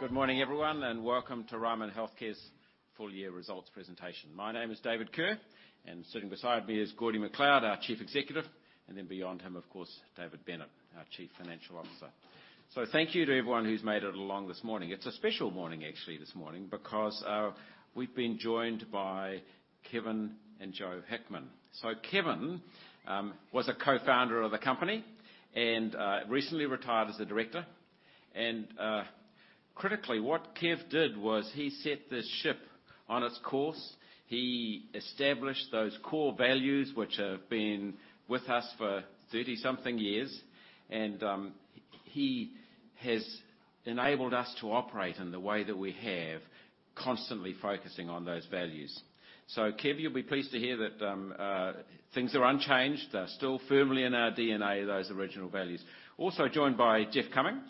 Good morning, everyone, welcome to Ryman Healthcare's full year results presentation. My name is David Kerr, sitting beside me is Gordie MacLeod, our Chief Executive, beyond him, of course, David Bennett, our Chief Financial Officer. Thank you to everyone who's made it along this morning. It's a special morning actually, this morning, we've been joined by Kevin and Jo Hickman. Kevin was a co-founder of the company and recently retired as a Director. Critically, what Kev did was he set this ship on its course. He established those core values, which have been with us for 30-something years. He has enabled us to operate in the way that we have, constantly focusing on those values. Kev, you'll be pleased to hear that things are unchanged. They're still firmly in our DNA, those original values. Also joined by Geoffrey Cumming.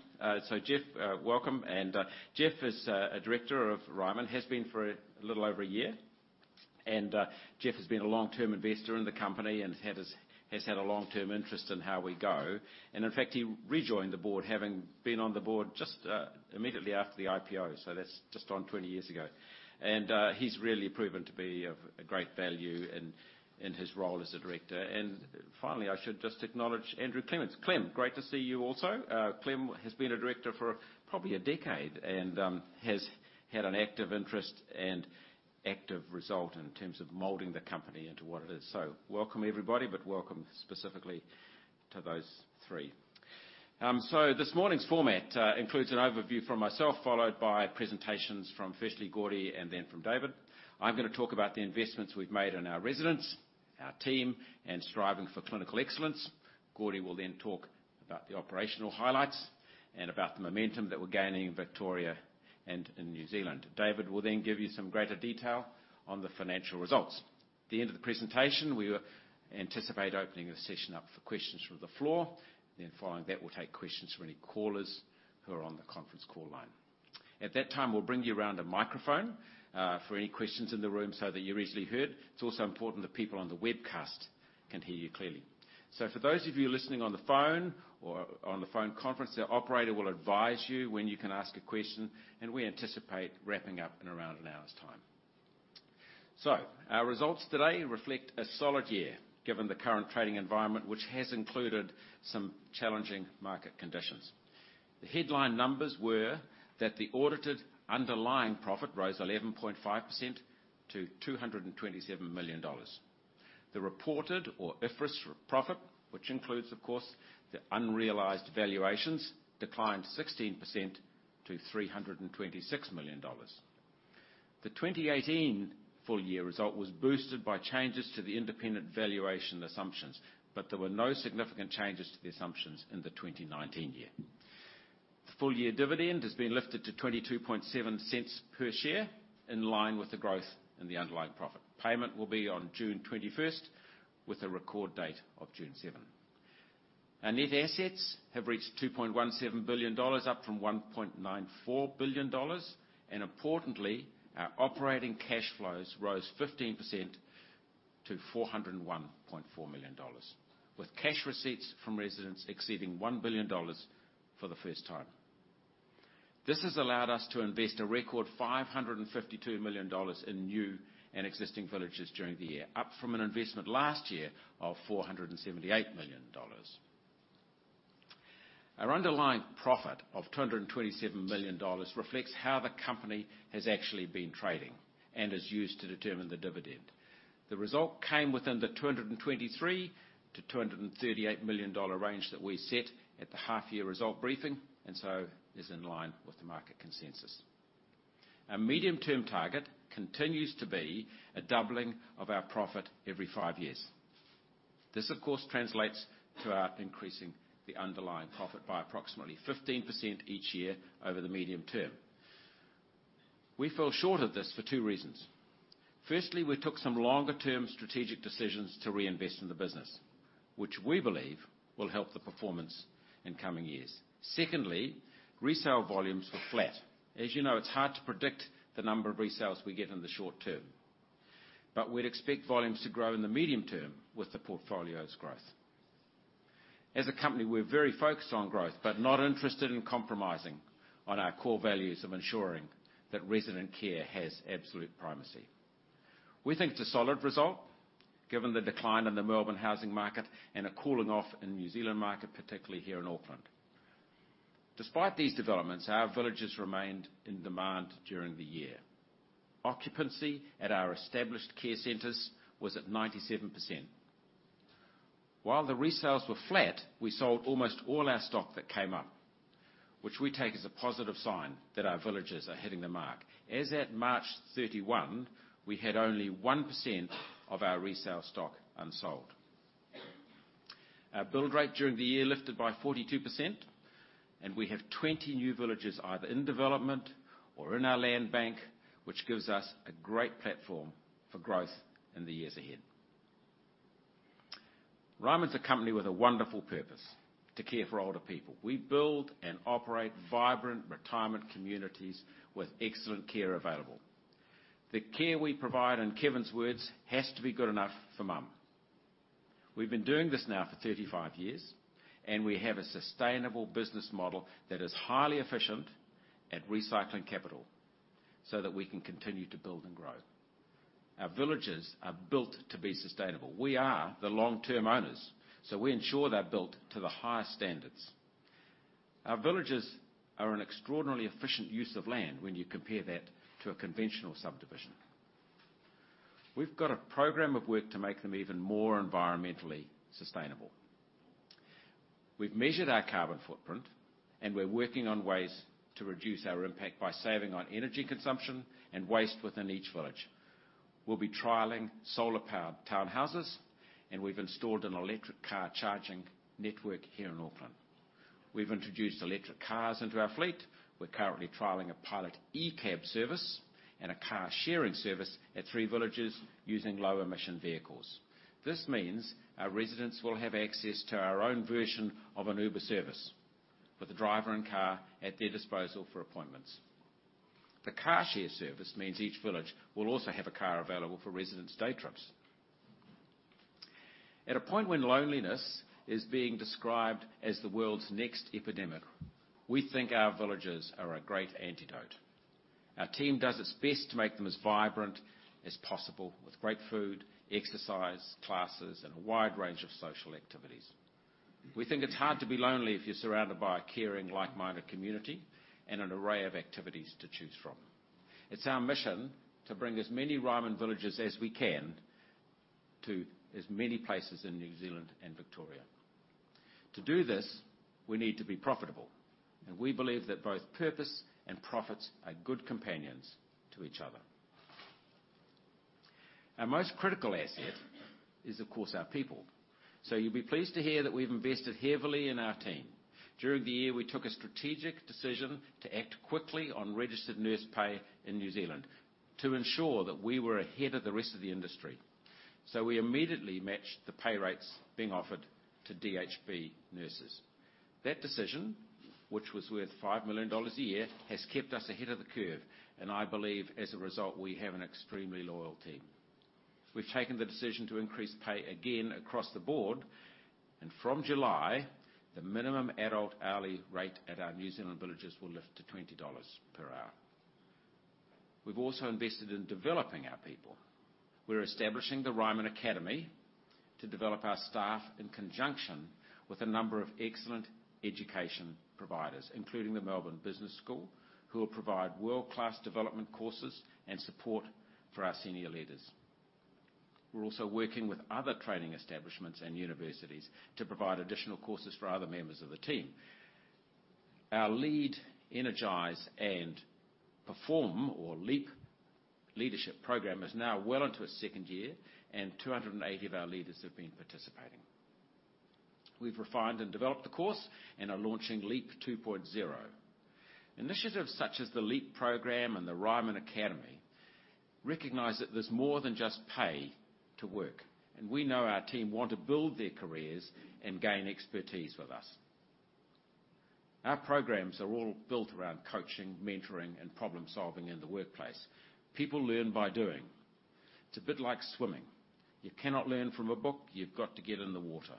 Jeff, welcome. Jeff is a Director of Ryman, has been for a little over a year. Jeff has been a long-term investor in the company and has had a long-term interest in how we go. In fact, he rejoined the board, having been on the board just immediately after the IPO, that's just on 20 years ago. He's really proven to be of a great value in his role as a Director. Finally, I should just acknowledge Andrew Clements. Clem, great to see you also. Clem has been a Director for probably a decade and has had an active interest and active result in terms of molding the company into what it is. Welcome, everybody, but welcome specifically to those three. This morning's format includes an overview from myself, followed by presentations from firstly Gordie and then from David. I'm going to talk about the investments we've made in our residents, our team, and striving for clinical excellence. Gordie will talk about the operational highlights and about the momentum that we're gaining in Victoria and in New Zealand. David will give you some greater detail on the financial results. At the end of the presentation, we anticipate opening the session up for questions from the floor. Following that, we'll take questions from any callers who are on the conference call line. At that time, we'll bring you around a microphone, for any questions in the room so that you're easily heard. It's also important the people on the webcast can hear you clearly. For those of you listening on the phone or on the phone conference, the operator will advise you when you can ask a question, and we anticipate wrapping up in around an hour's time. Our results today reflect a solid year given the current trading environment, which has included some challenging market conditions. The headline numbers were that the audited underlying profit rose 11.5% to 227 million dollars. The reported or IFRS profit, which includes, of course, the unrealized valuations, declined 16% to 326 million dollars. The 2018 full year result was boosted by changes to the independent valuation assumptions, there were no significant changes to the assumptions in the 2019 year. The full year dividend has been lifted to 0.227 per share in line with the growth in the underlying profit. Payment will be on June 21st with a record date of June 7. Our net assets have reached 2.17 billion dollars, up from 1.94 billion dollars. Importantly, our operating cash flows rose 15% to 401.4 million dollars, with cash receipts from residents exceeding 1 billion dollars for the first time. This has allowed us to invest a record 552 million dollars in new and existing villages during the year, up from an investment last year of NZD 478 million. Our underlying profit of NZD 227 million reflects how the company has actually been trading and is used to determine the dividend. The result came within the 223 million-238 million dollar range that we set at the half year result briefing, is in line with the market consensus. Our medium-term target continues to be a doubling of our profit every five years. This, of course, translates to our increasing the underlying profit by approximately 15% each year over the medium term. We fell short of this for two reasons. Firstly, we took some longer-term strategic decisions to reinvest in the business, which we believe will help the performance in coming years. Secondly, resale volumes were flat. As you know, it's hard to predict the number of resales we get in the short term, we'd expect volumes to grow in the medium term with the portfolio's growth. As a company, we're very focused on growth, not interested in compromising on our core values of ensuring that resident care has absolute primacy. We think it's a solid result given the decline in the Melbourne housing market and a cooling off in the New Zealand market, particularly here in Auckland. Despite these developments, our villages remained in demand during the year. Occupancy at our established care centers was at 97%. While the resales were flat, we sold almost all our stock that came up, which we take as a positive sign that our villages are hitting the mark. As at March 31, we had only 1% of our resale stock unsold. Our build rate during the year lifted by 42%, we have 20 new villages either in development or in our land bank, which gives us a great platform for growth in the years ahead. Ryman's a company with a wonderful purpose, to care for older people. We build and operate vibrant retirement communities with excellent care available. The care we provide, in Kevin's words, has to be good enough for Mum. We've been doing this now for 35 years, we have a sustainable business model that is highly efficient at recycling capital so that we can continue to build and grow. Our villages are built to be sustainable. We are the long-term owners, we ensure they're built to the highest standards. Our villages are an extraordinarily efficient use of land when you compare that to a conventional subdivision. We've got a program of work to make them even more environmentally sustainable. We've measured our carbon footprint, we're working on ways to reduce our impact by saving on energy consumption and waste within each village. We'll be trialing solar-powered townhouses, we've installed an electric car charging network here in Auckland. We've introduced electric cars into our fleet. We're currently trialing a pilot e-cab service and a car-sharing service at three villages using low emission vehicles. This means our residents will have access to our own version of an Uber service with a driver and car at their disposal for appointments. The car share service means each village will also have a car available for residents' day trips. At a point when loneliness is being described as the world's next epidemic, we think our villages are a great antidote. Our team does its best to make them as vibrant as possible with great food, exercise classes, and a wide range of social activities. We think it's hard to be lonely if you're surrounded by a caring, like-minded community and an array of activities to choose from. It's our mission to bring as many Ryman villages as we can to as many places in New Zealand and Victoria. To do this, we need to be profitable, and we believe that both purpose and profits are good companions to each other. Our most critical asset is, of course, our people. You'll be pleased to hear that we've invested heavily in our team. During the year, we took a strategic decision to act quickly on registered nurse pay in New Zealand to ensure that we were ahead of the rest of the industry. We immediately matched the pay rates being offered to DHB nurses. That decision, which was worth 5 million dollars a year, has kept us ahead of the curve, and I believe, as a result, we have an extremely loyal team. We've taken the decision to increase pay again across the board, and from July, the minimum adult hourly rate at our New Zealand villages will lift to 20 dollars per hour. We've also invested in developing our people. We're establishing the Ryman Academy to develop our staff in conjunction with a number of excellent education providers, including the Melbourne Business School, who will provide world-class development courses and support for our senior leaders. We're also working with other training establishments and universities to provide additional courses for other members of the team. Our Lead, Energize, and Perform, or LEAP leadership program, is now well into its second year, and 280 of our leaders have been participating. We've refined and developed the course and are launching LEAP 2.0. Initiatives such as the LEAP program and the Ryman Academy recognize that there's more than just pay to work. We know our team want to build their careers and gain expertise with us. Our programs are all built around coaching, mentoring, and problem-solving in the workplace. People learn by doing. It's a bit like swimming. You cannot learn from a book. You've got to get in the water.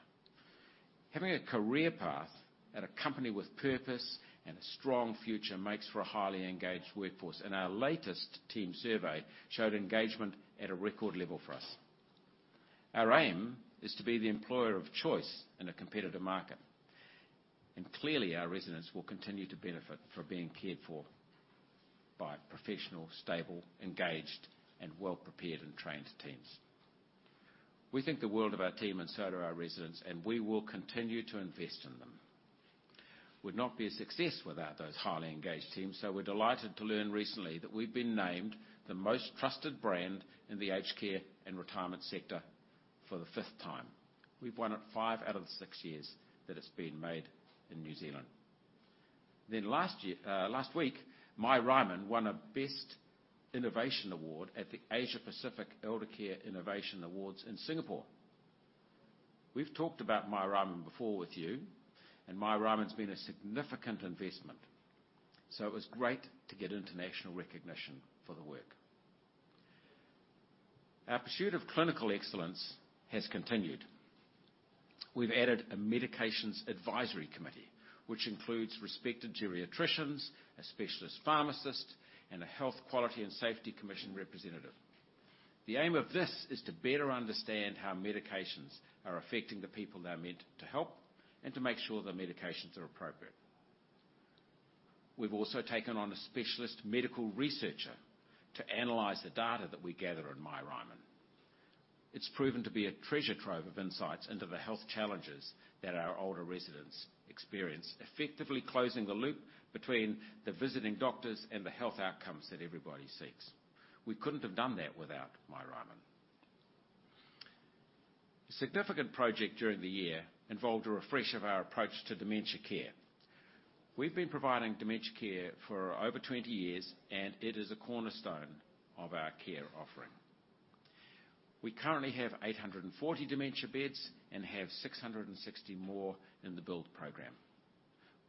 Having a career path at a company with purpose and a strong future makes for a highly engaged workforce, and our latest team survey showed engagement at a record level for us. Our aim is to be the employer of choice in a competitive market. Clearly, our residents will continue to benefit from being cared for by professional, stable, engaged, and well-prepared and trained teams. We think the world of our team, and so do our residents, and we will continue to invest in them. We'd not be a success without those highly engaged teams, so we're delighted to learn recently that we've been named the most trusted brand in the aged care and retirement sector for the fifth time. We've won it five out of the six years that it's been made in New Zealand. Last week, myRyman won a best innovation award at the Asia Pacific Eldercare Innovation Awards in Singapore. We've talked about myRyman before with you, and myRyman's been a significant investment, so it was great to get international recognition for the work. Our pursuit of clinical excellence has continued. We've added a medications advisory committee, which includes respected geriatricians, a specialist pharmacist, and a Health Quality and Safety Commission representative. The aim of this is to better understand how medications are affecting the people they're meant to help and to make sure the medications are appropriate. We've also taken on a specialist medical researcher to analyze the data that we gather on myRyman. It's proven to be a treasure trove of insights into the health challenges that our older residents experience, effectively closing the loop between the visiting doctors and the health outcomes that everybody seeks. We couldn't have done that without myRyman. A significant project during the year involved a refresh of our approach to dementia care. We've been providing dementia care for over 20 years, and it is a cornerstone of our care offering. We currently have 840 dementia beds and have 660 more in the build program.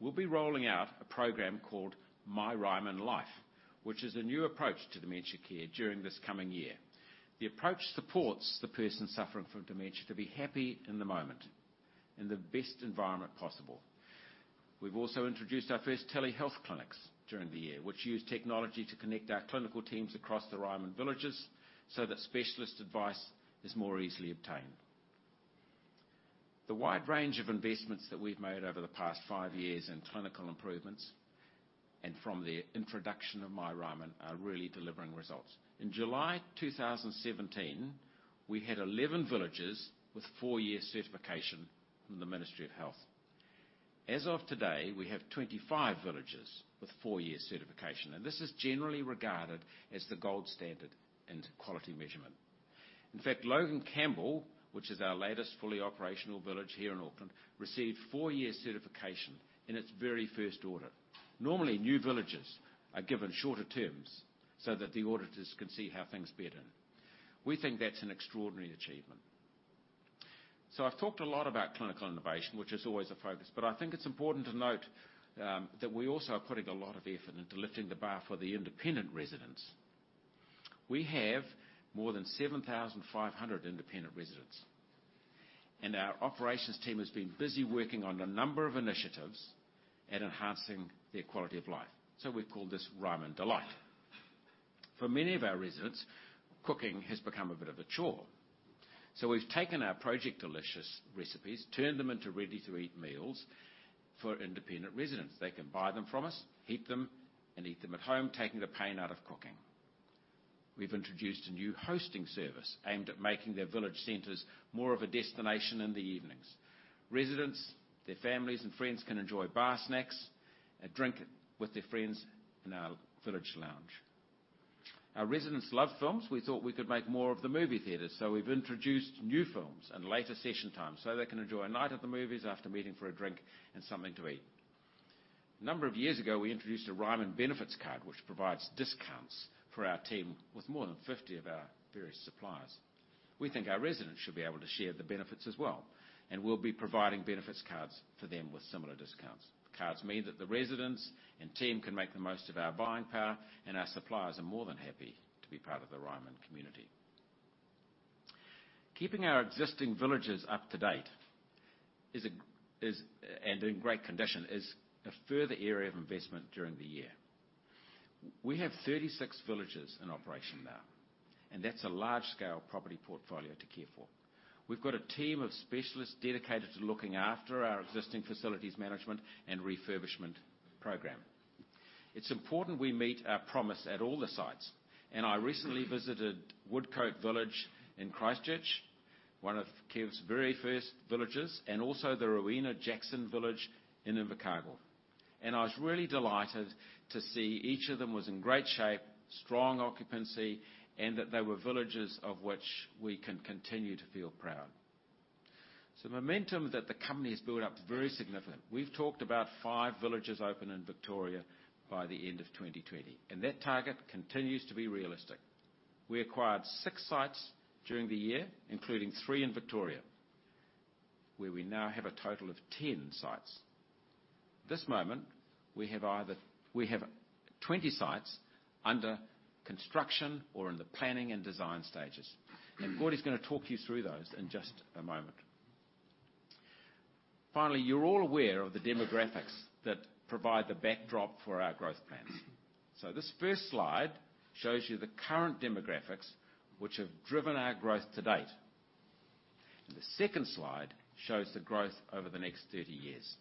We'll be rolling out a program called myRyman Life, which is a new approach to dementia care during this coming year. The approach supports the person suffering from dementia to be happy in the moment, in the best environment possible. We've also introduced our first telehealth clinics during the year, which use technology to connect our clinical teams across the Ryman villages so that specialist advice is more easily obtained. The wide range of investments that we've made over the past five years in clinical improvements and from the introduction of myRyman are really delivering results. In July 2017, we had 11 villages with four-year certification from the Ministry of Health. As of today, we have 25 villages with four-year certification, and this is generally regarded as the gold standard in quality measurement. In fact, Logan Campbell, which is our latest fully operational village here in Auckland, received four-year certification in its very first audit. Normally, new villages are given shorter terms so that the auditors can see how things bed in. We think that's an extraordinary achievement. I've talked a lot about clinical innovation, which is always a focus, but I think it's important to note that we also are putting a lot of effort into lifting the bar for the independent residents. We have more than 7,500 independent residents, and our operations team has been busy working on a number of initiatives at enhancing their quality of life. We call this Ryman Delight. For many of our residents, cooking has become a bit of a chore. We've taken our Project Delicious recipes, turned them into ready-to-eat meals for independent residents. They can buy them from us, heat them, and eat them at home, taking the pain out of cooking. We've introduced a new hosting service aimed at making their village centers more of a destination in the evenings. Residents, their families, and friends can enjoy bar snacks and drink with their friends in our village lounge. Our residents love films. We thought we could make more of the movie theater. We've introduced new films and later session times so they can enjoy a night at the movies after meeting for a drink and something to eat. A number of years ago, we introduced a Ryman benefits card, which provides discounts for our team with more than 50 of our various suppliers. We think our residents should be able to share the benefits as well, and we'll be providing benefits cards to them with similar discounts. The cards mean that the residents and team can make the most of our buying power. Our suppliers are more than happy to be part of the Ryman community. Keeping our existing villages up to date and in great condition is a further area of investment during the year. We have 36 villages in operation now. That's a large-scale property portfolio to care for. We've got a team of specialists dedicated to looking after our existing facilities management and refurbishment program. It's important we meet our promise at all the sites. I recently visited Woodcote Village in Christchurch, one of Kev's very first villages, and also the Rowena Jackson Village in Invercargill. I was really delighted to see each of them was in great shape, strong occupancy, and that they were villages of which we can continue to feel proud. The momentum that the company has built up is very significant. We've talked about five villages open in Victoria by the end of 2020, and that target continues to be realistic. We acquired six sites during the year, including three in Victoria, where we now have a total of 10 sites. This moment, we have 20 sites under construction or in the planning and design stages. Gordie's going to talk you through those in just a moment. Finally, you're all aware of the demographics that provide the backdrop for our growth plans. This first slide shows you the current demographics, which have driven our growth to date. The second slide shows the growth over the next 30 years.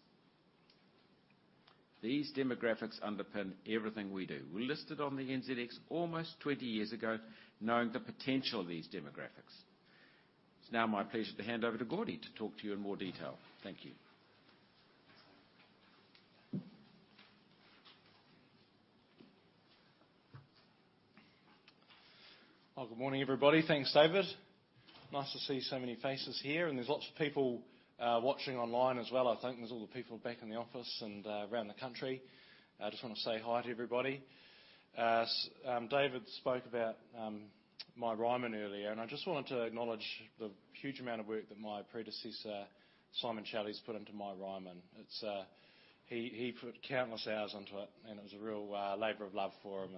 These demographics underpin everything we do. We listed on the NZX almost 20 years ago knowing the potential of these demographics. It's now my pleasure to hand over to Gordie to talk to you in more detail. Thank you. Well, good morning, everybody. Thanks, David. Nice to see so many faces here. There's lots of people watching online as well, I think. There's all the people back in the office and around the country. I just want to say hi to everybody. David spoke about myRyman earlier. I just wanted to acknowledge the huge amount of work that my predecessor, Simon Challies, has put into myRyman. He put countless hours into it, and it was a real labor of love for him.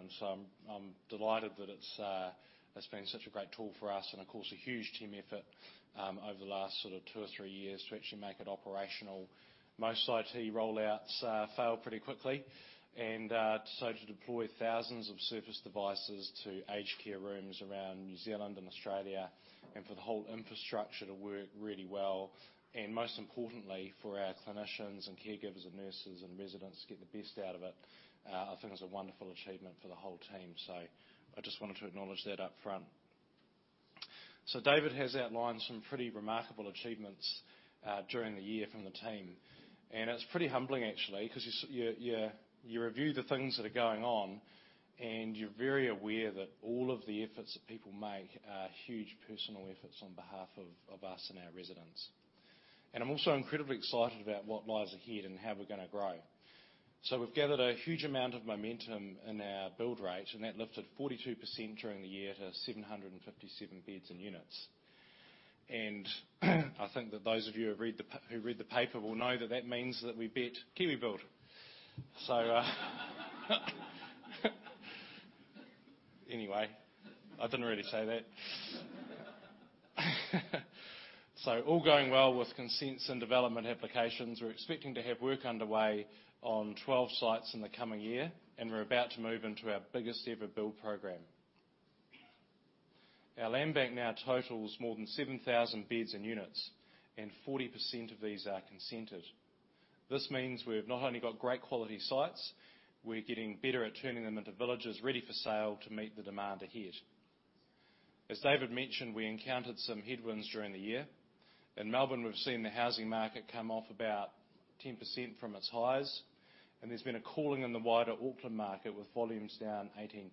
I'm delighted that it's been such a great tool for us and, of course, a huge team effort over the last sort of two or three years to actually make it operational. To deploy thousands of surface devices to aged care rooms around New Zealand and Australia, and for the whole infrastructure to work really well, and most importantly, for our clinicians and caregivers and nurses and residents to get the best out of it, I think it's a wonderful achievement for the whole team. I just wanted to acknowledge that up front. David has outlined some pretty remarkable achievements during the year from the team. It's pretty humbling actually because you review the things that are going on, and you're very aware that all of the efforts that people make are huge personal efforts on behalf of us and our residents. I'm also incredibly excited about what lies ahead and how we're going to grow. We've gathered a huge amount of momentum in our build rate. That lifted 42% during the year to 757 beds and units. I think that those of you who read the paper will know that that means that we beat KiwiBuild. Anyway, I didn't really say that. All going well with consents and development applications, we're expecting to have work underway on 12 sites in the coming year. We're about to move into our biggest ever build program. Our land bank now totals more than 7,000 beds and units. 40% of these are consented. This means we've not only got great quality sites, we're getting better at turning them into villages ready for sale to meet the demand ahead. As David mentioned, we encountered some headwinds during the year. In Melbourne, we've seen the housing market come off about 10% from its highs. There's been a cooling in the wider Auckland market, with volumes down 18%.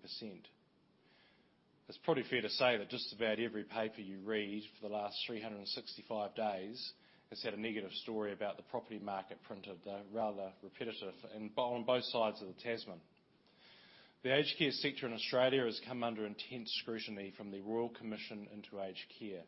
It's probably fair to say that just about every paper you read for the last 365 days has had a negative story about the property market printed. They're rather repetitive on both sides of the Tasman. The aged care sector in Australia has come under intense scrutiny from the Royal Commission into Aged Care.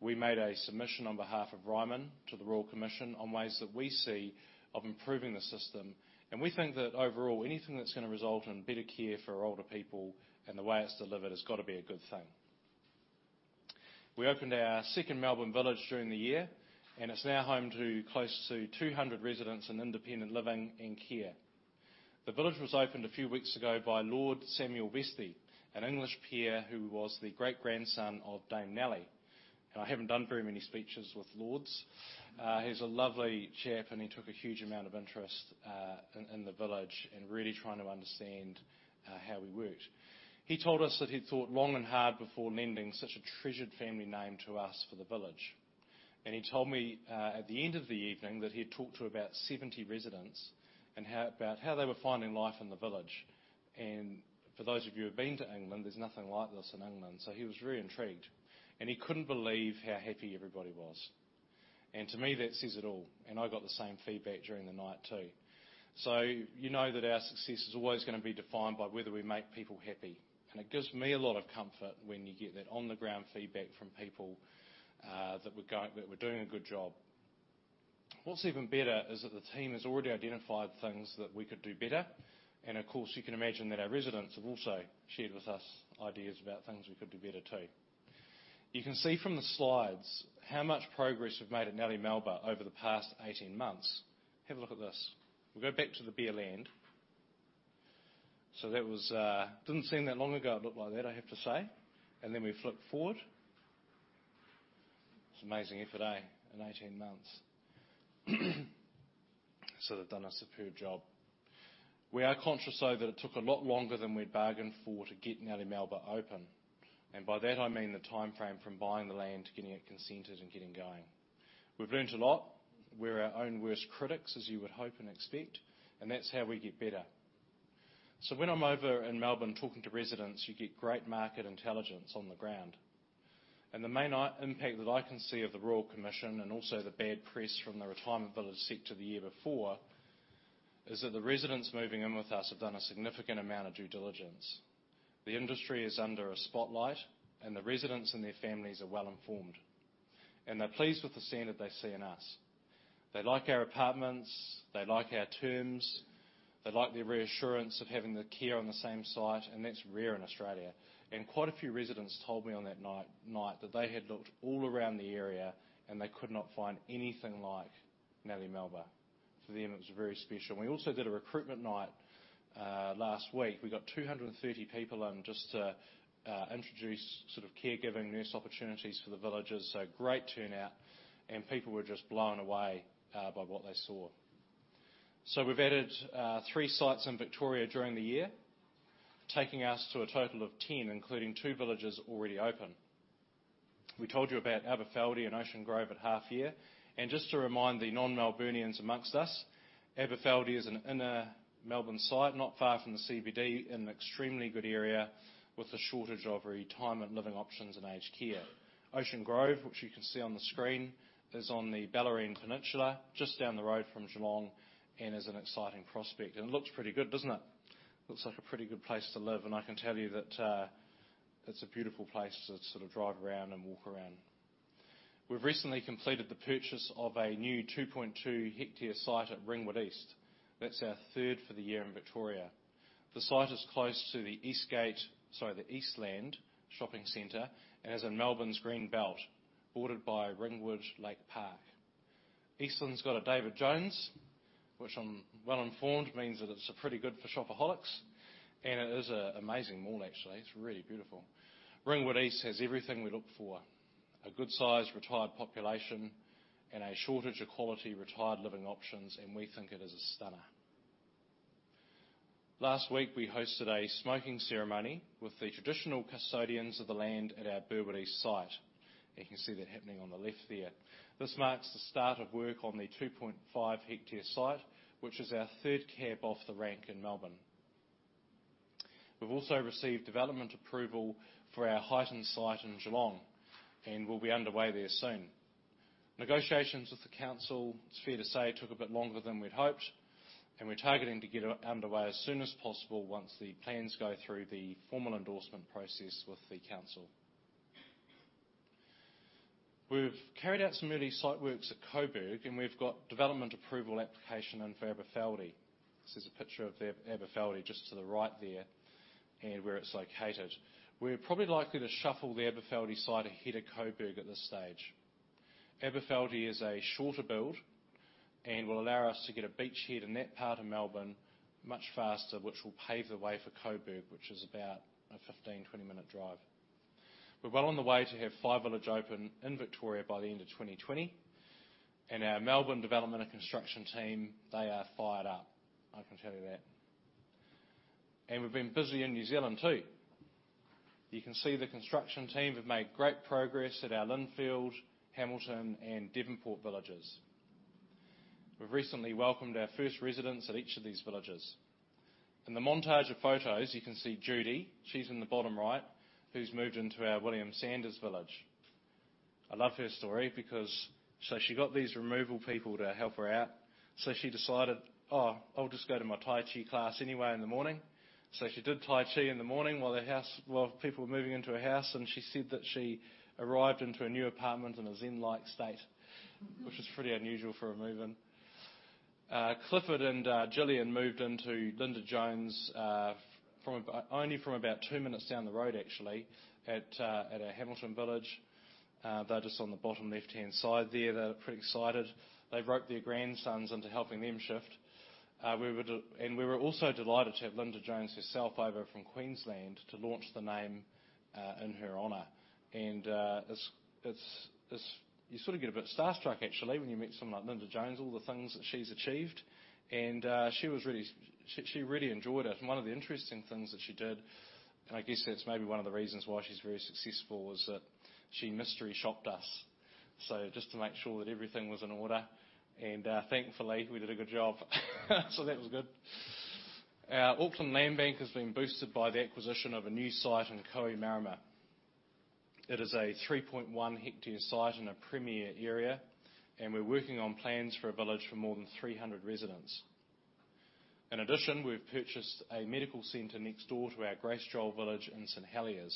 We made a submission on behalf of Ryman to the Royal Commission on ways that we see of improving the system. We think that overall, anything that's going to result in better care for older people and the way it's delivered has got to be a good thing. We opened our second Melbourne village during the year. It's now home to close to 200 residents in independent living and care. The village was opened a few weeks ago by Lord Samuel Vestey, an English peer who was the great-grandson of Dame Nellie. I haven't done very many speeches with lords. He's a lovely chap. He took a huge amount of interest in the village in really trying to understand how we worked. He told us that he'd thought long and hard before lending such a treasured family name to us for the village. He told me at the end of the evening that he had talked to about 70 residents about how they were finding life in the village. For those of you who've been to England, there's nothing like this in England, so he was very intrigued. He couldn't believe how happy everybody was. To me, that says it all, and I got the same feedback during the night, too. You know that our success is always going to be defined by whether we make people happy. It gives me a lot of comfort when you get that on-the-ground feedback from people that we're doing a good job. What's even better is that the team has already identified things that we could do better. Of course, you can imagine that our residents have also shared with us ideas about things we could do better, too. You can see from the slides how much progress we've made at Nellie Melba over the past 18 months. Have a look at this. We'll go back to the bare land. That didn't seem that long ago it looked like that, I have to say. Then we flip forward. It's amazing here today in 18 months. They've done a superb job. We are conscious, though, that it took a lot longer than we'd bargained for to get Nellie Melba open. By that, I mean the timeframe from buying the land to getting it consented and getting going. We've learned a lot. We're our own worst critics, as you would hope and expect, and that's how we get better. When I'm over in Melbourne talking to residents, you get great market intelligence on the ground. The main impact that I can see of the Royal Commission and also the bad press from the retirement village sector the year before is that the residents moving in with us have done a significant amount of due diligence. The industry is under a spotlight, and the residents and their families are well informed. They're pleased with the standard they see in us. They like our apartments, they like our terms, they like the reassurance of having the care on the same site, and that's rare in Australia. Quite a few residents told me on that night that they had looked all around the area and they could not find anything like Nellie Melba. For them, it was very special. We also did a recruitment night last week. We got 230 people in just to introduce caregiving nurse opportunities for the villages. Great turnout, and people were just blown away by what they saw. We've added three sites in Victoria during the year, taking us to a total of 10, including two villages already open. We told you about Aberfeldie and Ocean Grove at half year. Just to remind the non-Melburnians amongst us, Aberfeldie is an inner Melbourne site not far from the CBD in an extremely good area with a shortage of retirement living options and aged care. Ocean Grove, which you can see on the screen, is on the Bellarine Peninsula, just down the road from Geelong, and is an exciting prospect. It looks pretty good, doesn't it? Looks like a pretty good place to live, and I can tell you that it's a beautiful place to drive around and walk around. We've recently completed the purchase of a new 2.2 hectare site at Ringwood East. That's our third for the year in Victoria. The site is close to the Eastland shopping center and is in Melbourne's green belt, bordered by Ringwood Lake Park. Eastland's got a David Jones, which I'm well informed means that it's pretty good for shopaholics. It is an amazing mall, actually. It's really beautiful. Ringwood East has everything we look for. A good size retired population and a shortage of quality retired living options. We think it is a stunner. Last week, we hosted a smoking ceremony with the traditional custodians of the land at our Burwood East site. You can see that happening on the left there. This marks the start of work on the 2.5 hectare site, which is our third cab off the rank in Melbourne. We've also received development approval for our Highton site in Geelong, and we'll be underway there soon. Negotiations with the council, it's fair to say, took a bit longer than we'd hoped. We're targeting to get underway as soon as possible once the plans go through the formal endorsement process with the council. We've carried out some early site works at Coburg. We've got development approval application in for Aberfeldie. This is a picture of Aberfeldie just to the right there and where it's located. We're probably likely to shuffle the Aberfeldie site ahead of Coburg at this stage. Aberfeldie is a shorter build and will allow us to get a beachhead in that part of Melbourne much faster, which will pave the way for Coburg, which is about a 15-20-minute drive. We're well on the way to have five villages open in Victoria by the end of 2020. Our Melbourne development and construction team, they are fired up, I can tell you that. We've been busy in New Zealand, too. You can see the construction team have made great progress at our Lynfield, Hamilton, and Devonport villages. We've recently welcomed our first residents at each of these villages. In the montage of photos, you can see Judy, she's in the bottom right, who's moved into our William Sanders Village. I love her story because she got these removal people to help her out, so she decided, "Oh, I'll just go to my Tai Chi class anyway in the morning." She did Tai Chi in the morning while people were moving into her house, and she said that she arrived into her new apartment in a Zen-like state, which is pretty unusual for a move-in. Clifford and Jillian moved into Linda Jones only from about two minutes down the road, actually, at our Hamilton village. They're just on the bottom left-hand side there. They're pretty excited. They roped their grandsons into helping them shift. We were also delighted to have Linda Jones herself over from Queensland to launch the name in her honor. You sort of get a bit starstruck actually, when you meet someone like Linda Jones, all the things that she's achieved. She really enjoyed it. One of the interesting things that she did, and I guess that's maybe one of the reasons why she's very successful, was that she mystery shopped us, just to make sure that everything was in order, and thankfully, we did a good job. That was good. Our Auckland Land Bank has been boosted by the acquisition of a new site in Kohimarama. It is a 3.1-hectare site in a premier area, and we're working on plans for a village for more than 300 residents. In addition, we've purchased a medical center next door to our Grace Joel village in St Heliers.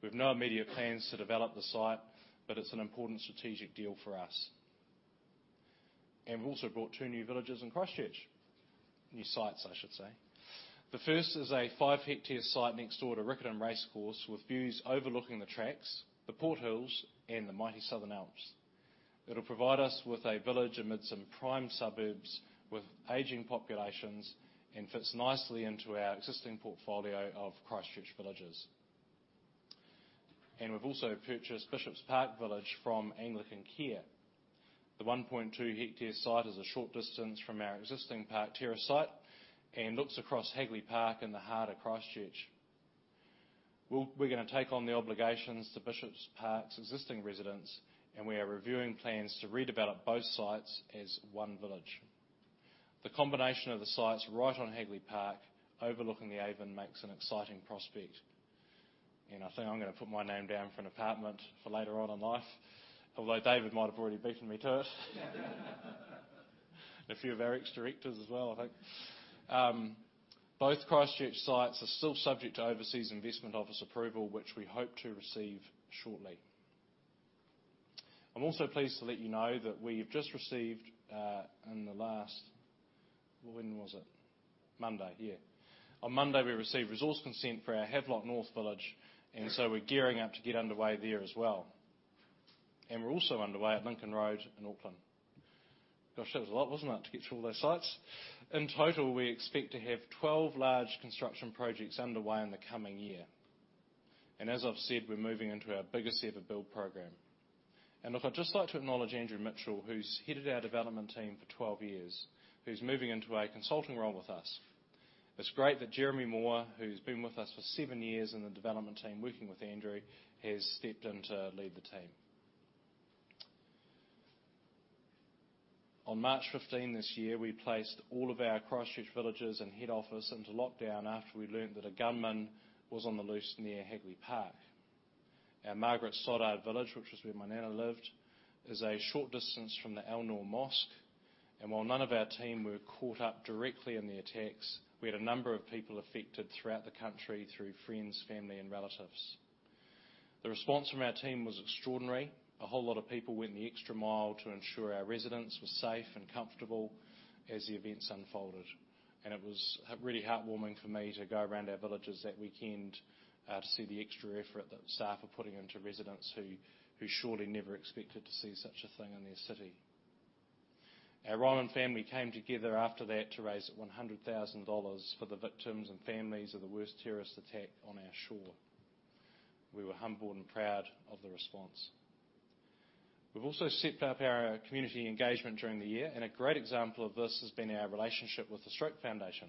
We have no immediate plans to develop the site, but it's an important strategic deal for us. We've also bought two new villages in Christchurch. New sites, I should say. The first is a five-hectare site next door to Riccarton Racecourse with views overlooking the tracks, the Port Hills, and the mighty Southern Alps. It'll provide us with a village amidst some prime suburbs with aging populations and fits nicely into our existing portfolio of Christchurch villages. We've also purchased Bishopspark Village from Anglican Care. The 1.2-hectare site is a short distance from our existing Park Terrace site and looks across Hagley Park in the heart of Christchurch. We're going to take on the obligations to Bishopspark's existing residents, and we are reviewing plans to redevelop both sites as one village. The combination of the sites right on Hagley Park overlooking the Avon makes an exciting prospect. I think I'm going to put my name down for an apartment for later on in life, although David might have already beaten me to it. A few of our ex-directors as well, I think. Both Christchurch sites are still subject to Overseas Investment Office approval, which we hope to receive shortly. I'm also pleased to let you know that we have just received in the last When was it? Monday. On Monday, we received resource consent for our Havelock North village, so we're gearing up to get underway there as well. We're also underway at Lincoln Road in Auckland. Gosh, that was a lot, wasn't it? To get through all those sites. In total, we expect to have 12 large construction projects underway in the coming year. As I've said, we're moving into our biggest ever build program. Look, I'd just like to acknowledge Andrew Mitchell, who's headed our development team for 12 years, who's moving into a consulting role with us. It's great that Jeremy Moore, who's been with us for seven years in the development team working with Andrew, has stepped in to lead the team. On March 15 this year, we placed all of our Christchurch villages and head office into lockdown after we learned that a gunman was on the loose near Hagley Park. Our Margaret Stoddart Village, which was where my nana lived, is a short distance from the Al Noor Mosque. While none of our team were caught up directly in the attacks, we had a number of people affected throughout the country through friends, family, and relatives. The response from our team was extraordinary. A whole lot of people went the extra mile to ensure our residents were safe and comfortable as the events unfolded. It was really heartwarming for me to go around our villages that weekend to see the extra effort that staff were putting into residents who surely never expected to see such a thing in their city. Our Ryman family came together after that to raise 100,000 dollars for the victims and families of the worst terrorist attack on our shore. We were humbled and proud of the response. We've also stepped up our community engagement during the year, a great example of this has been our relationship with the Stroke Foundation.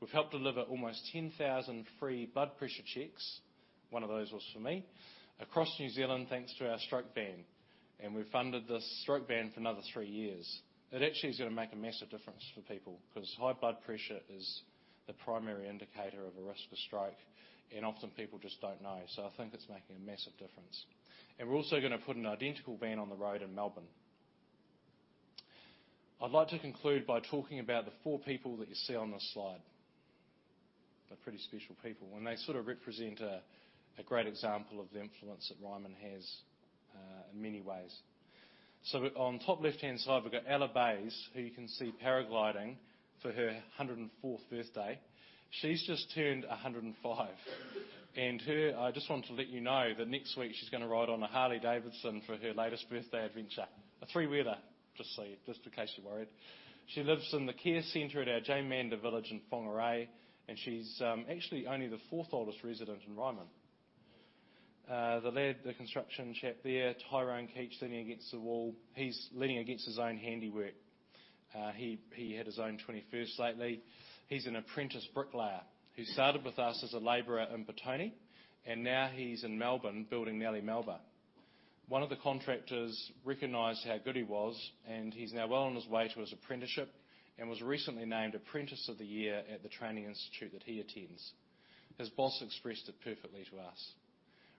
We've helped deliver almost 10,000 free blood pressure checks, one of those was for me, across New Zealand, thanks to our stroke van, and we've funded the stroke van for another three years. It actually is going to make a massive difference for people because high blood pressure is the primary indicator of a risk for stroke, and often people just don't know. I think it's making a massive difference. We're also going to put an identical van on the road in Melbourne. I'd like to conclude by talking about the four people that you see on this slide. They're pretty special people, and they sort of represent a great example of the influence that Ryman has in many ways. On top left-hand side, we've got Ella Bayes, who you can see paragliding for her 104th birthday. She's just turned 105. I just wanted to let you know that next week she's going to ride on a Harley-Davidson for her latest birthday adventure. A three-wheeler, just in case you're worried. She lives in the care center at our Jane Mander Village in Whangarei, and she's actually only the fourth oldest resident in Ryman. The lad, the construction chap there, Tyrone Keech, leaning against the wall. He's leaning against his own handiwork. He had his own 21st lately. He's an apprentice bricklayer who started with us as a laborer in Petone, and now he's in Melbourne building Nellie Melba. One of the contractors recognized how good he was, and he's now well on his way to his apprenticeship, and was recently named Apprentice of the Year at the training institute that he attends. His boss expressed it perfectly to us.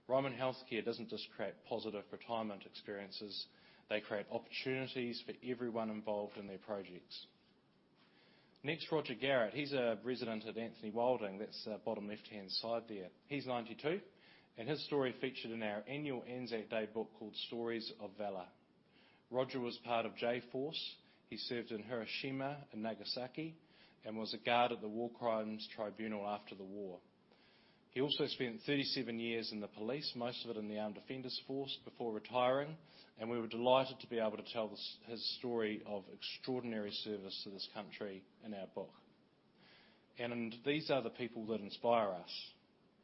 Ryman Healthcare doesn't just create positive retirement experiences. They create opportunities for everyone involved in their projects. Next, Roger Garrett. He's a resident at Anthony Wilding. That's bottom left-hand side there. He's 92, and his story featured in our annual Anzac Day book called "Stories of Valor." Roger was part of Jayforce. He served in Hiroshima and Nagasaki and was a guard at the war crimes tribunal after the war. He also spent 37 years in the police, most of it in the Armed Offenders Squad, before retiring, and we were delighted to be able to tell his story of extraordinary service to this country in our book. These are the people that inspire us.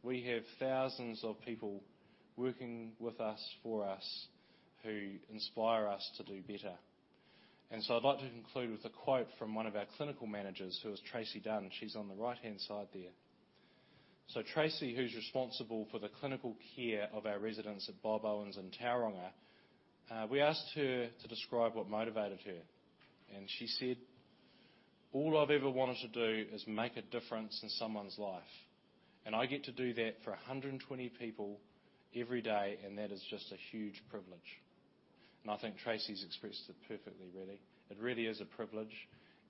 We have thousands of people working with us, for us who inspire us to do better. I'd like to conclude with a quote from one of our clinical managers, who is Tracy Dunn. She's on the right-hand side there. Tracey, who's responsible for the clinical care of our residents at Bob Owens in Tauranga, we asked her to describe what motivated her, and she said, "All I've ever wanted to do is make a difference in someone's life, and I get to do that for 120 people every day, and that is just a huge privilege." I think Tracey's expressed it perfectly, really. It really is a privilege,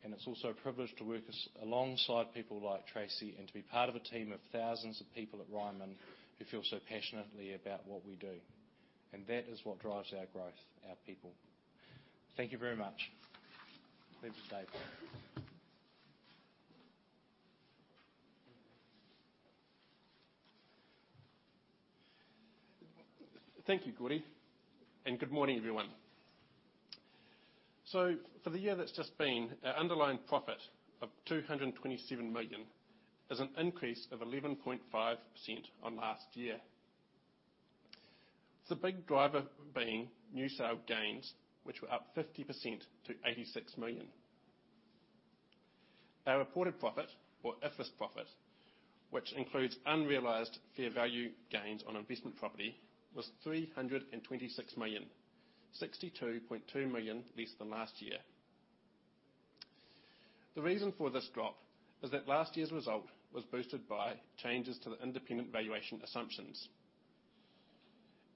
and it's also a privilege to work alongside people like Tracey and to be part of a team of thousands of people at Ryman Healthcare who feel so passionately about what we do. That is what drives our growth, our people. Thank you very much. Over to David. Thank you, Gordie. Good morning, everyone. For the year that's just been, our underlying profit of NZD 227 million is an increase of 11.5% on last year. The big driver being new sale gains, which were up 50% to 86 million. Our reported profit, or IFRS profit, which includes unrealized fair value gains on investment property, was 326 million, 62.2 million less than last year. The reason for this drop is that last year's result was boosted by changes to the independent valuation assumptions.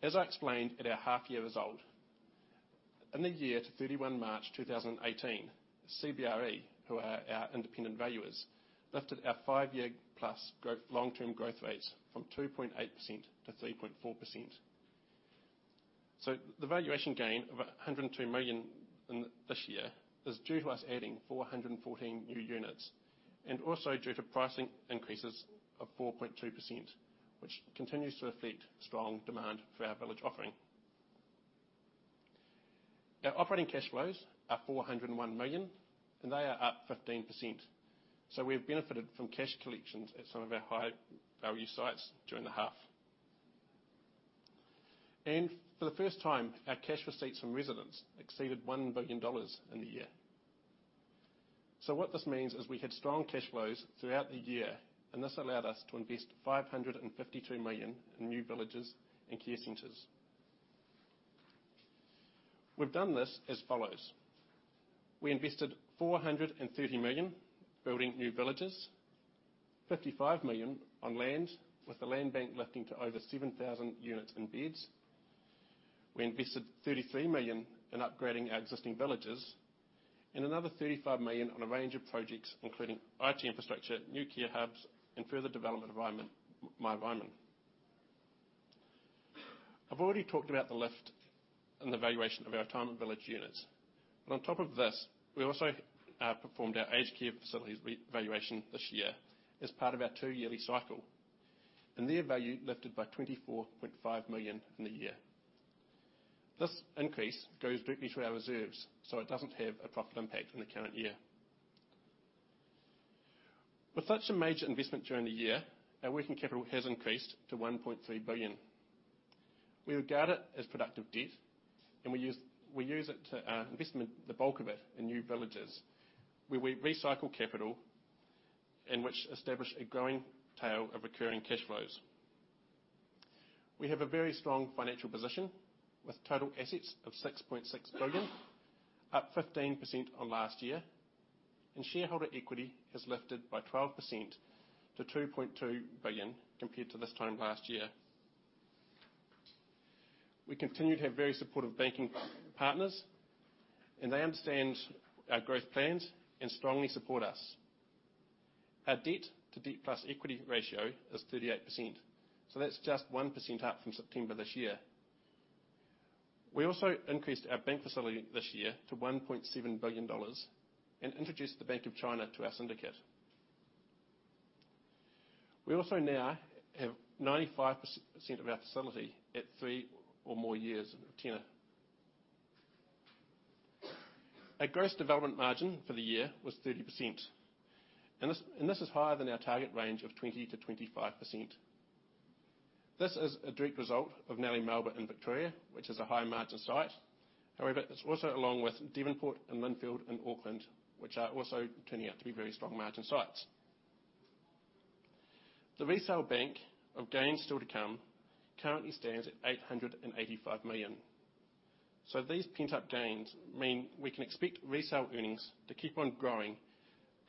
As I explained at our half year result, in the year to 31 March 2018, CBRE, who are our independent valuers, lifted our five-year plus long-term growth rates from 2.8% to 3.4%. The valuation gain of 102 million this year is due to us adding 414 new units, and also due to pricing increases of 4.2%, which continues to reflect strong demand for our village offering. Our operating cash flows are 401 million, they are up 15%. We've benefited from cash collections at some of our high value sites during the half. For the first time, our cash receipts from residents exceeded 1 billion dollars in the year. What this means is we had strong cash flows throughout the year, this allowed us to invest 552 million in new villages and care centers. We've done this as follows. We invested 430 million building new villages, 55 million on land, with the land bank lifting to over 7,000 units and beds. We invested 33 million in upgrading our existing villages another 35 million on a range of projects, including IT infrastructure, new care hubs, and further development of myRyman. I've already talked about the lift and the valuation of our town and village units. On top of this, we also performed our aged care facilities revaluation this year as part of our two yearly cycle, their value lifted by 24.5 million in the year. This increase goes directly to our reserves, it doesn't have a profit impact in the current year. With such a major investment during the year, our working capital has increased to 1.3 billion. We regard it as productive debt, and we use it to investment the bulk of it in new villages, where we recycle capital and which establish a growing tail of recurring cash flows. We have a very strong financial position with total assets of 6.6 billion, up 15% on last year, and shareholder equity has lifted by 12% to 2.2 billion compared to this time last year. We continue to have very supportive banking partners, and they understand our growth plans and strongly support us. Our debt to debt plus equity ratio is 38%, so that's just 1% up from September this year. We also increased our bank facility this year to 1.7 billion dollars and introduced the Bank of China to our syndicate. We also now have 95% of our facility at three or more years in tenure. Our gross development margin for the year was 30%, this is higher than our target range of 20%-25%. This is a direct result of Nellie Melba in Victoria, which is a high-margin site. However, it's also along with Devonport and Lynfield in Auckland, which are also turning out to be very strong margin sites. The resale bank of gains still to come currently stands at 885 million. These pent-up gains mean we can expect resale earnings to keep on growing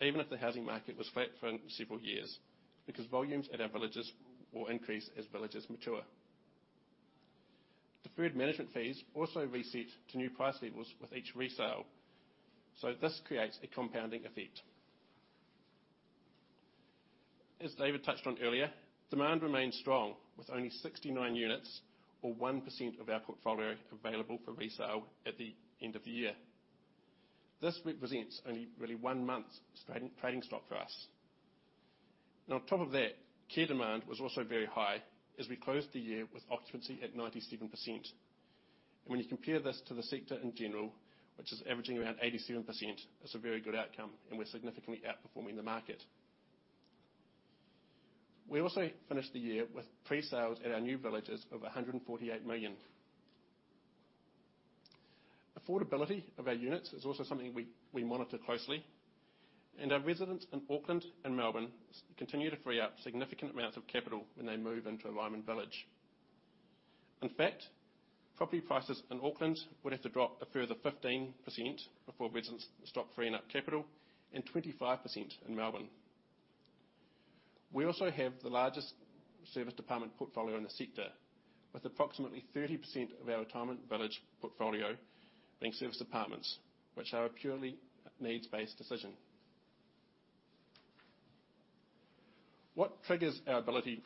even if the housing market was flat for several years, because volumes at our villages will increase as villages mature. Deferred management fees also reset to new price levels with each resale, this creates a compounding effect. As David touched on earlier, demand remains strong with only 69 units or 1% of our portfolio available for resale at the end of the year. This represents only really one month's trading stock for us. On top of that, care demand was also very high as we closed the year with occupancy at 97%. When you compare this to the sector in general, which is averaging around 87%, it's a very good outcome, we're significantly outperforming the market. We also finished the year with pre-sales at our new villages of 148 million. Affordability of our units is also something we monitor closely, and our residents in Auckland and Melbourne continue to free up significant amounts of capital when they move into a Ryman village. In fact, property prices in Auckland would have to drop a further 15% before residents stop freeing up capital and 25% in Melbourne. We also have the largest service department portfolio in the sector, with approximately 30% of our retirement village portfolio being service departments, which are a purely needs-based decision. What triggers our ability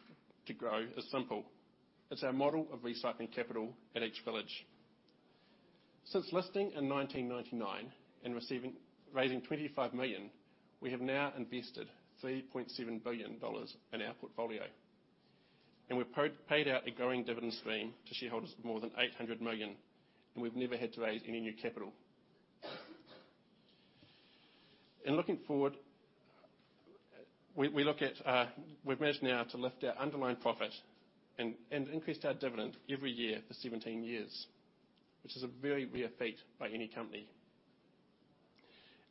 to grow is simple. It's our model of recycling capital at each village. Since listing in 1999 and raising 25 million, we have now invested 3.7 billion dollars in our portfolio, we've paid out a growing dividend stream to shareholders of more than 800 million, we've never had to raise any new capital. In looking forward, we've managed now to lift our underlying profit and increased our dividend every year for 17 years, which is a very rare feat by any company.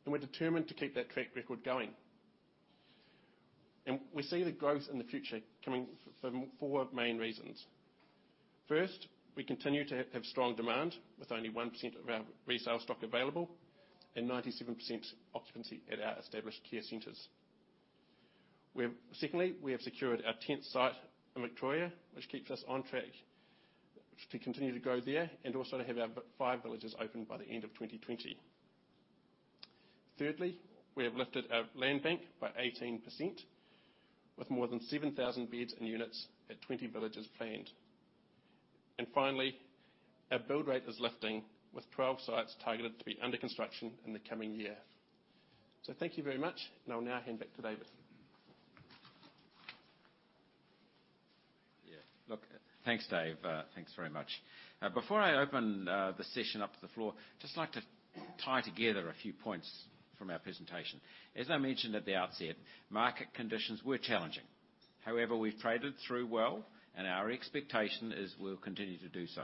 We're determined to keep that track record going. We see the growth in the future coming from four main reasons. First, we continue to have strong demand with only 1% of our resale stock available and 97% occupancy at our established care centers. Secondly, we have secured our 10th site in Victoria, which keeps us on track to continue to grow there and also to have our five villages open by the end of 2020. Thirdly, we have lifted our land bank by 18%, with more than 7,000 beds and units at 20 villages planned. Finally, our build rate is lifting with 12 sites targeted to be under construction in the coming year. Thank you very much, and I'll now hand back to David. Look, thanks, Dave. Thanks very much. Before I open the session up to the floor, just like to tie together a few points from our presentation. As I mentioned at the outset, market conditions were challenging. However, we've traded through well, and our expectation is we'll continue to do so.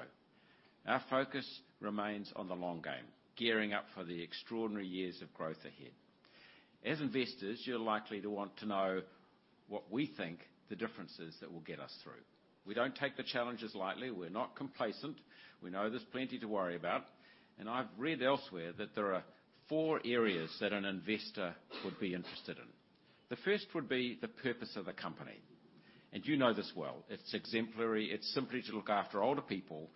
Our focus remains on the long game, gearing up for the extraordinary years of growth ahead. As investors, you're likely to want to know what we think the difference is that will get us through. We don't take the challenges lightly. We're not complacent. We know there's plenty to worry about. I've read elsewhere that there are four areas that an investor would be interested in. The first would be the purpose of the company, and you know this well. It's exemplary. It's simply to look after older people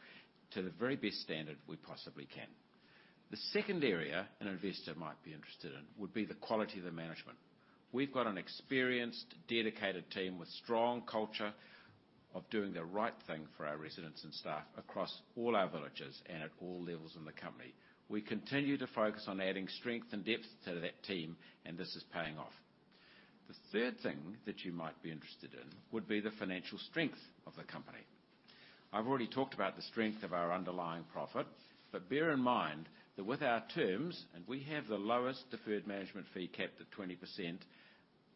to the very best standard we possibly can. The second area an investor might be interested in would be the quality of the management. We've got an experienced, dedicated team with strong culture of doing the right thing for our residents and staff across all our villages and at all levels in the company. We continue to focus on adding strength and depth to that team, and this is paying off. The third thing that you might be interested in would be the financial strength of the company. I've already talked about the strength of our underlying profit, but bear in mind that with our terms, and we have the lowest deferred management fee capped at 20%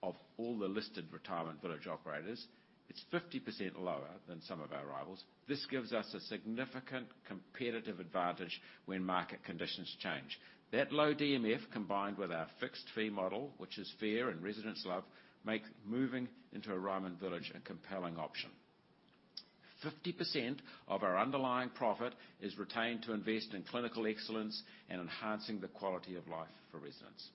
of all the listed retirement village operators. It's 50% lower than some of our rivals. This gives us a significant competitive advantage when market conditions change. That low DMF combined with our fixed fee model, which is fair and residents love, make moving into a Ryman village a compelling option. 50% of our underlying profit is retained to invest in clinical excellence and enhancing the quality of life for residents.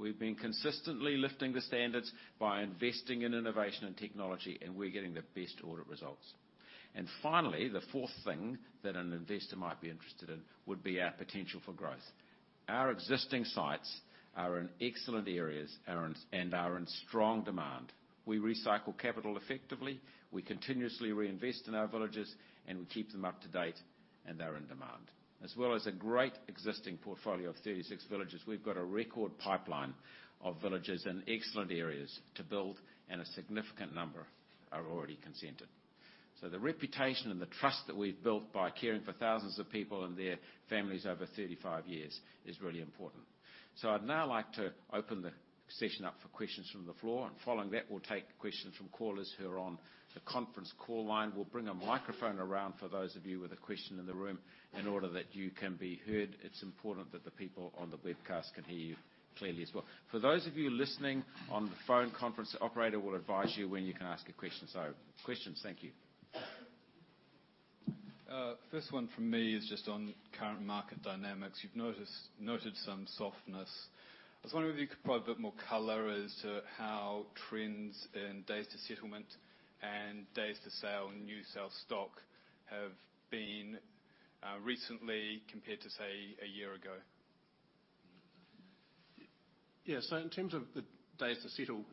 We've been consistently lifting the standards by investing in innovation and technology, we're getting the best audit results. Finally, the fourth thing that an investor might be interested in would be our potential for growth. Our existing sites are in excellent areas and are in strong demand. We recycle capital effectively. We continuously reinvest in our villages, and we keep them up to date, and they're in demand. As well as a great existing portfolio of 36 villages, we've got a record pipeline of villages in excellent areas to build, and a significant number are already consented. The reputation and the trust that we've built by caring for thousands of people and their families over 35 years is really important. I'd now like to open the session up for questions from the floor. Following that, we'll take questions from callers who are on the conference call line. We'll bring a microphone around for those of you with a question in the room in order that you can be heard. It's important that the people on the webcast can hear you clearly as well. For those of you listening on the phone conference, the operator will advise you when you can ask a question. Questions. Thank you. First one from me is just on current market dynamics. You've noted some softness. I was wondering if you could provide a bit more color as to how trends in days to settlement and days to sale in new sale stock have been recently compared to, say, a year ago. Yeah. In terms of the days to settle,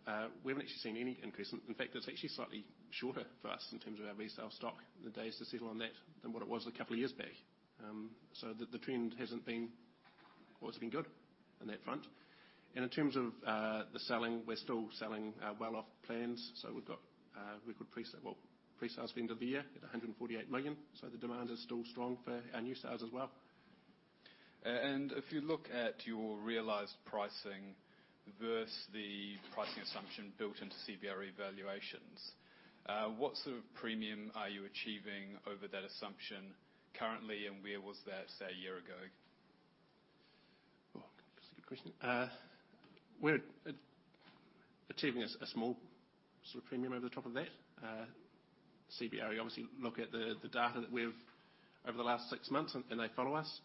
we haven't actually seen any increase. In fact, it's actually slightly shorter for us in terms of our resale stock, the days to settle on that, than what it was a couple of years back. The trend hasn't been well, it's been good on that front. In terms of the selling, we're still selling well off plans. We've got well, presales for end of the year at 148 million. The demand is still strong for our new sales as well. If you look at your realized pricing versus the pricing assumption built into CBRE valuations, what sort of premium are you achieving over that assumption currently, and where was that, say, a year ago? That's a good question. We're achieving a small sort of premium over the top of that. CBRE obviously look at the data that we've over the last six months, and they follow us.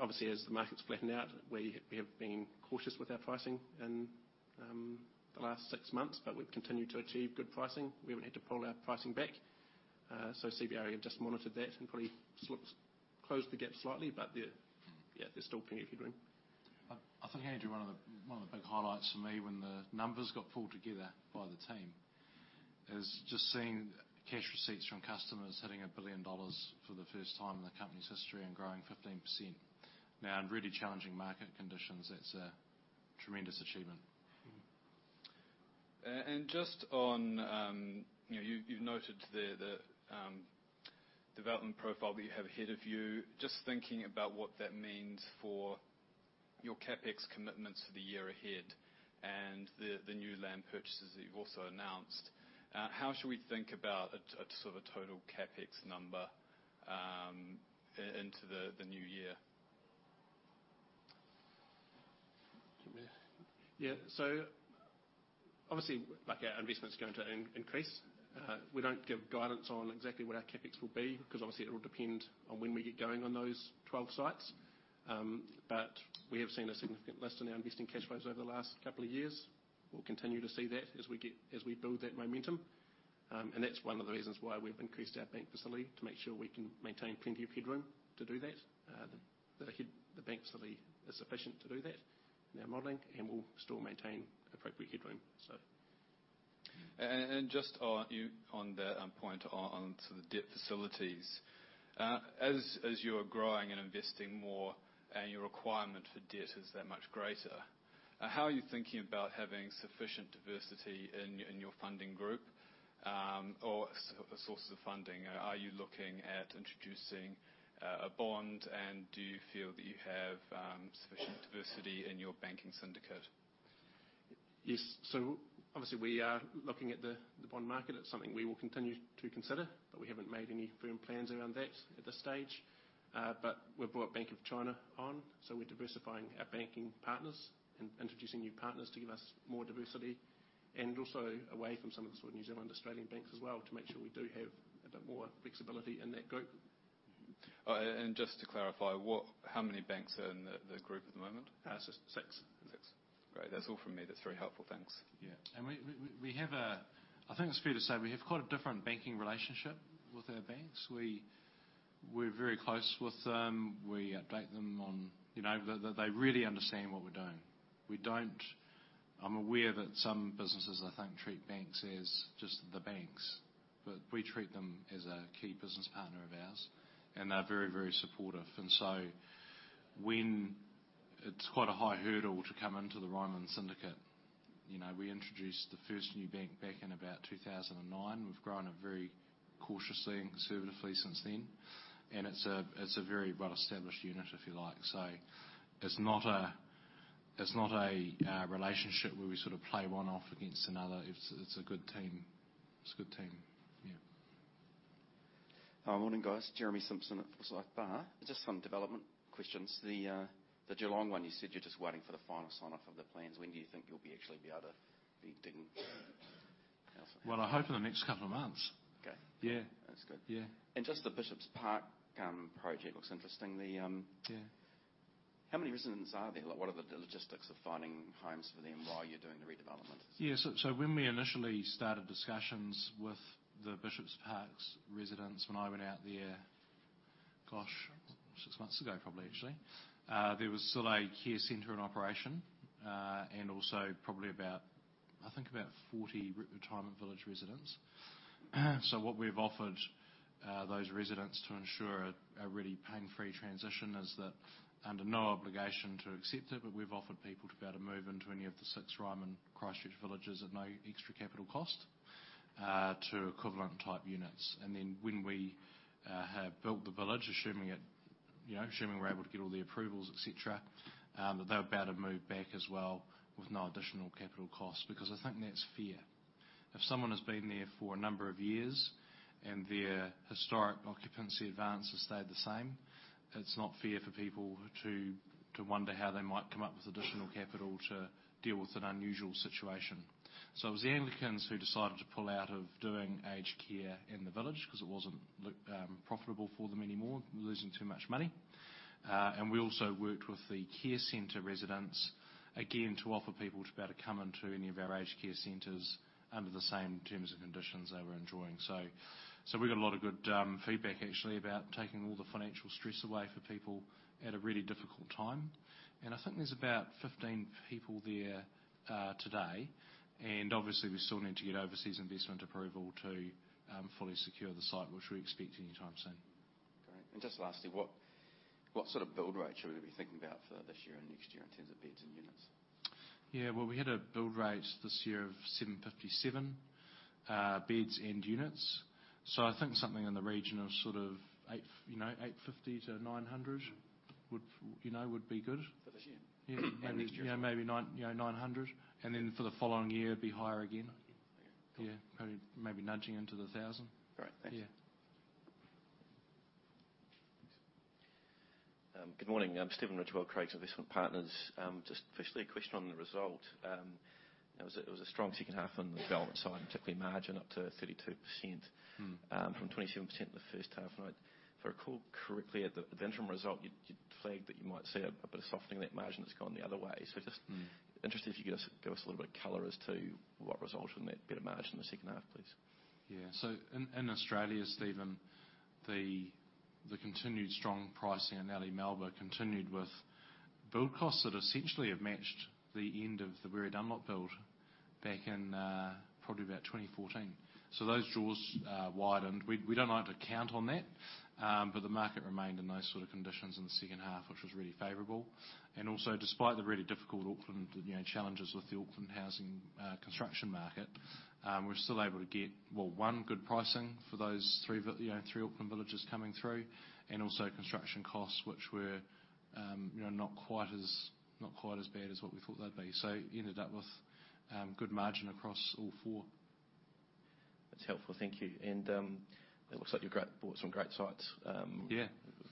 Obviously, as the market's flattened out, we have been cautious with our pricing in the last six months, but we've continued to achieve good pricing. We haven't had to pull our pricing back. CBRE have just monitored that and probably sort of closed the gap slightly, but there's still plenty of headroom. I think, Andrew, one of the big highlights for me when the numbers got pulled together by the team is just seeing cash receipts from customers hitting 1 billion dollars for the first time in the company's history and growing 15%. In really challenging market conditions, that's a tremendous achievement. Just on, you know, you've noted there the development profile that you have ahead of you. Just thinking about what that means for your CapEx commitments for the year ahead and the new land purchases that you've also announced. How should we think about a sort of total CapEx number into the new year? Yeah. Obviously, our investment's going to increase. We don't give guidance on exactly where our CapEx will be because obviously it will depend on when we get going on those 12 sites. We have seen a significant lift in our investing cash flows over the last couple of years. We'll continue to see that as we build that momentum. That's one of the reasons why we've increased our bank facility to make sure we can maintain plenty of headroom to do that. The bank facility is sufficient to do that in our modeling, and we'll still maintain appropriate headroom. Just on that point on to the debt facilities. As you are growing and investing more and your requirement for debt is that much greater, how are you thinking about having sufficient diversity in your funding group? Or sources of funding? Are you looking at introducing a bond, and do you feel that you have sufficient diversity in your banking syndicate? Yes. Obviously, we are looking at the bond market. It's something we will continue to consider, we haven't made any firm plans around that at this stage. We've brought Bank of China on, we're diversifying our banking partners and introducing new partners to give us more diversity and also away from some of the sort of New Zealand, Australian banks as well to make sure we do have a bit more flexibility in that group. Just to clarify, how many banks are in the group at the moment? It's just six. Six. Great. That's all from me. That's very helpful. Thanks. Yeah. I think it's fair to say we have quite a different banking relationship with our banks. We're very close with them. We update them on, you know, that they really understand what we're doing. I'm aware that some businesses, I think, treat banks as just the banks, but we treat them as a key business partner of ours, and they're very, very supportive. When it's quite a high hurdle to come into the Ryman syndicate, you know, we introduced the first new bank back in about 2009. We've grown it very cautiously and conservatively since then. It's a very well-established unit, if you like. It's not a relationship where we sort of play one off against another. It's a good team. It's a good team. Yeah. Hi. Morning, guys. Jeremy Simpson at Forsyth Barr. Just some development questions. The Geelong one, you said you're just waiting for the final sign-off of the plans. When do you think you'll actually be able to be digging? Well, I hope in the next couple of months. Okay. Yeah. That's good. Yeah. Just the Bishopspark project looks interesting. Yeah How many residents are there? What are the logistics of finding homes for them while you're doing the redevelopment? Yeah. When we initially started discussions with the Bishopspark residents, when I went out there, gosh, six months ago probably, actually, there was still a care center in operation, and also probably about, I think, about 40 retirement village residents. What we've offered those residents to ensure a really pain-free transition is that, under no obligation to accept it, but we've offered people to be able to move into any of the six Ryman Christchurch villages at no extra capital cost, to equivalent type units. When we have built the village, assuming we're able to get all the approvals, et cetera, they'll be able to move back as well with no additional capital cost. I think that's fair. If someone has been there for a number of years and their historic occupancy advance has stayed the same, it's not fair for people to wonder how they might come up with additional capital to deal with an unusual situation. It was the Anglicans who decided to pull out of doing aged care in the village because it wasn't profitable for them anymore. Losing too much money. We also worked with the care center residents, again, to offer people to be able to come into any of our aged care centers under the same terms and conditions they were enjoying. We got a lot of good feedback, actually, about taking all the financial stress away for people at a really difficult time. I think there's about 15 people there today. Obviously, we still need to get overseas investment approval to fully secure the site, which we expect any time soon. Great. Just lastly, what sort of build rate should we be thinking about for this year and next year in terms of beds and units? Yeah. Well, we had a build rate this year of 757 beds and units. I think something in the region of 850 to 900 would be good. For this year? Yeah. Next year? Maybe 900. For the following year, it'd be higher again. Okay. Yeah. Maybe nudging into the 1,000. Great. Thank you. Yeah. Good morning. I'm Stephen Ridgewell, Craigs Investment Partners. Firstly, a question on the result. It was a strong second half on the development side, particularly margin up to 32%. from 27% in the first half. If I recall correctly at the interim result, you'd flagged that you might see a bit of softening of that margin that's gone the other way. interested if you could give us a little bit of color as to what resulted in that better margin in the second half, please. Yeah. In Australia, Stephen, the continued strong pricing in early Melbourne continued with build costs that essentially have matched the end of the Weary Dunlop build back in probably about 2014. Those draws widened. We don't like to count on that, the market remained in those sort of conditions in the second half, which was really favorable. Despite the really difficult Auckland challenges with the Auckland Housing construction market, we were still able to get, well, one good pricing for those three Auckland villages coming through, construction costs, which were not quite as bad as what we thought they'd be. Ended up with good margin across all four. That's helpful. Thank you. It looks like you bought some great sites. Yeah.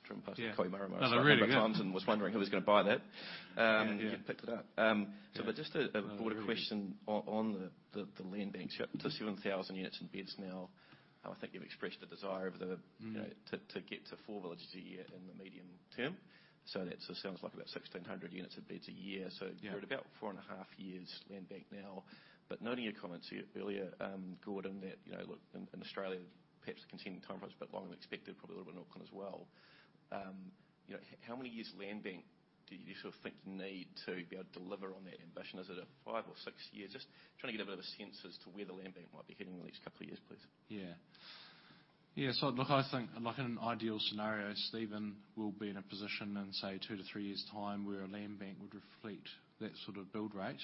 Drove past Kohimarama- They're really good A couple of times and was wondering who was going to buy that. Yeah. You picked it up. Yeah. Just a broader question on the land bank. Up to 7,000 units and beds now. I think you've expressed the desire. to get to four villages a year in the medium term. That sounds like about 1,600 units of beds a year. Yeah you're at about four and a half years land bank now. Noting your comments earlier, Gordie, that look, in Australia, perhaps the continuing time frame is a bit longer than expected, probably a little bit in Auckland as well. How many years land bank do you think you need to be able to deliver on that ambition? Is it a five or six years? Just trying to get a bit of a sense as to where the land bank might be heading in the next couple of years, please. Yeah. Look, I think in an ideal scenario, Stephen, we'll be in a position in, say, two to three years' time where our land bank would reflect that sort of build rate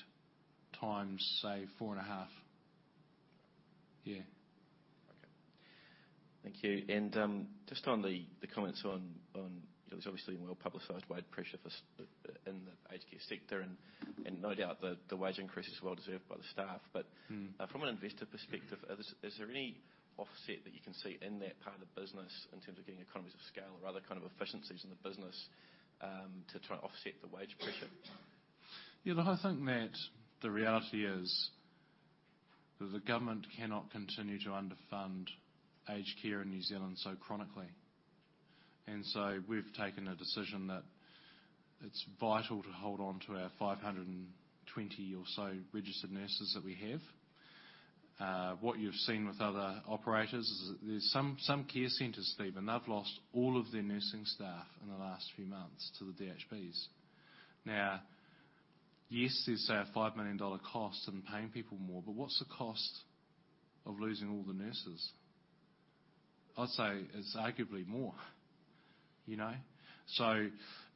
times, say, four and a half. Yeah. Okay. Thank you. Just on the comments on, there's obviously well-publicized wage pressure in the aged care sector, and no doubt the wage increase is well deserved by the staff. From an investor perspective, is there any offset that you can see in that part of the business in terms of getting economies of scale or other kind of efficiencies in the business to try and offset the wage pressure? Yeah, look, I think that the reality is that the government cannot continue to underfund aged care in New Zealand so chronically. We've taken a decision that it's vital to hold on to our 520 or so registered nurses that we have. What you've seen with other operators is that there's some care centers, Stephen, they've lost all of their nursing staff in the last few months to the DHBs. Now, yes, there's a 5 million dollar cost in paying people more, but what's the cost of losing all the nurses? I'd say it's arguably more.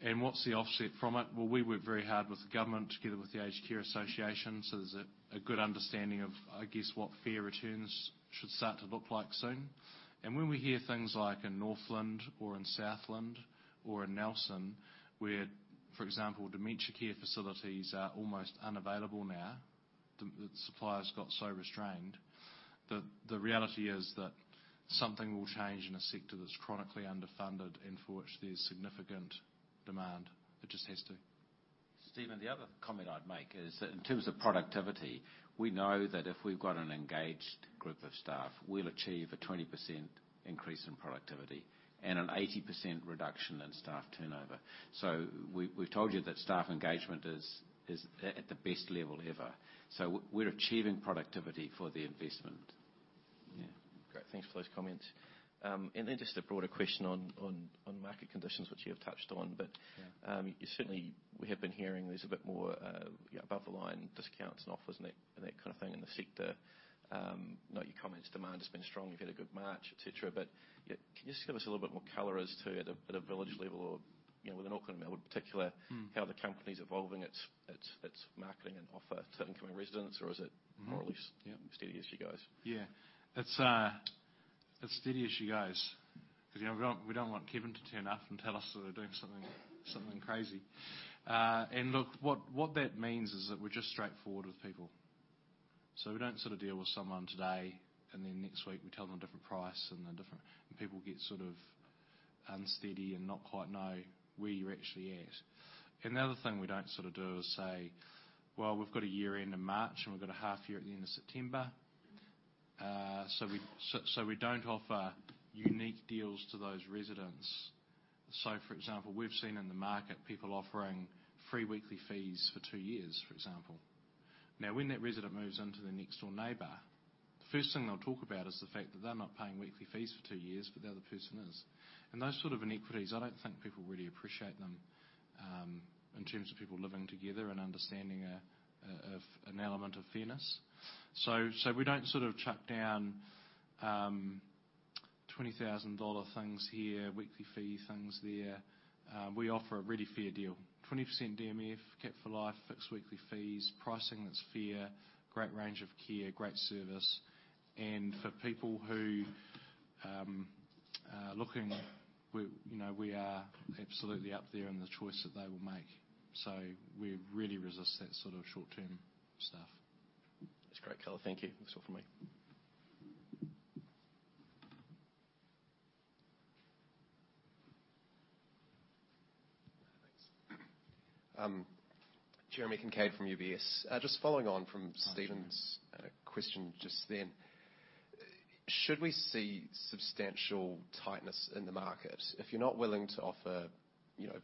What's the offset from it? Well, we work very hard with the government together with the Aged Care Association, so there's a good understanding of, I guess, what fair returns should start to look like soon. When we hear things like in Northland or in Southland or in Nelson, where, for example, dementia care facilities are almost unavailable now. The suppliers got so restrained that the reality is that something will change in a sector that's chronically underfunded and for which there's significant demand. It just has to. Stephen, the other comment I'd make is that in terms of productivity, we know that if we've got an engaged group of staff, we'll achieve a 20% increase in productivity and an 80% reduction in staff turnover. We've told you that staff engagement is at the best level ever. We're achieving productivity for the investment. Yeah. Great. Thanks for those comments. Then just a broader question on market conditions, which you have touched on. Yeah Certainly, we have been hearing there's a bit more above the line discounts and offers and that kind of thing in the sector. Note your comments, demand has been strong, you've had a good March, et cetera. Can you just give us a little bit more color as to at a village level or with an Auckland level? how the company's evolving its marketing and offer to incoming residents, or is it more or less steady as you guys? Yeah. We don't want Kevin to turn up and tell us that we're doing something crazy. Look, what that means is that we're just straightforward with people. We don't sort of deal with someone today, and then next week we tell them a different price and a different. People get sort of unsteady and not quite know where you're actually at. The other thing we don't do is say, "Well, we've got a year-end in March, and we've got a half year at the end of September." We don't offer unique deals to those residents. For example, we've seen in the market people offering free weekly fees for 2 years, for example. Now, when that resident moves into the next door neighbor, the first thing they'll talk about is the fact that they're not paying weekly fees for 2 years, but the other person is. Those sort of inequities, I don't think people really appreciate them, in terms of people living together and understanding of an element of fairness. We don't chuck down 20,000 dollar things here, weekly fee things there. We offer a really fair deal, 20% DMF, capped for life, fixed weekly fees, pricing that's fair, great range of care, great service. For people who are looking, we are absolutely up there in the choice that they will make. We really resist that sort of short-term stuff. That's great, Gordie. Thank you. That's all for me. Thanks. Jeremy Kincaid from UBS. Just following on from Stephen's. Hi, Jeremy question just then. Should we see substantial tightness in the market? If you're not willing to offer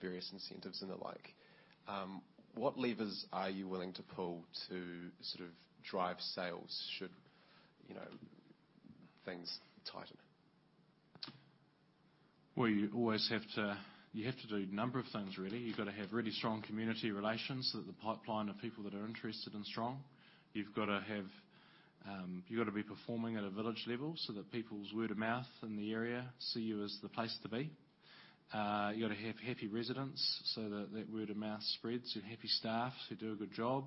various incentives and the like, what levers are you willing to pull to sort of drive sales, should things tighten? Well, you have to do a number of things, really. You've got to have really strong community relations, so that the pipeline of people that are interested is strong. You've got to be performing at a village level so that people's word of mouth in the area see you as the place to be. You've got to have happy residents so that that word of mouth spreads, so happy staff who do a good job.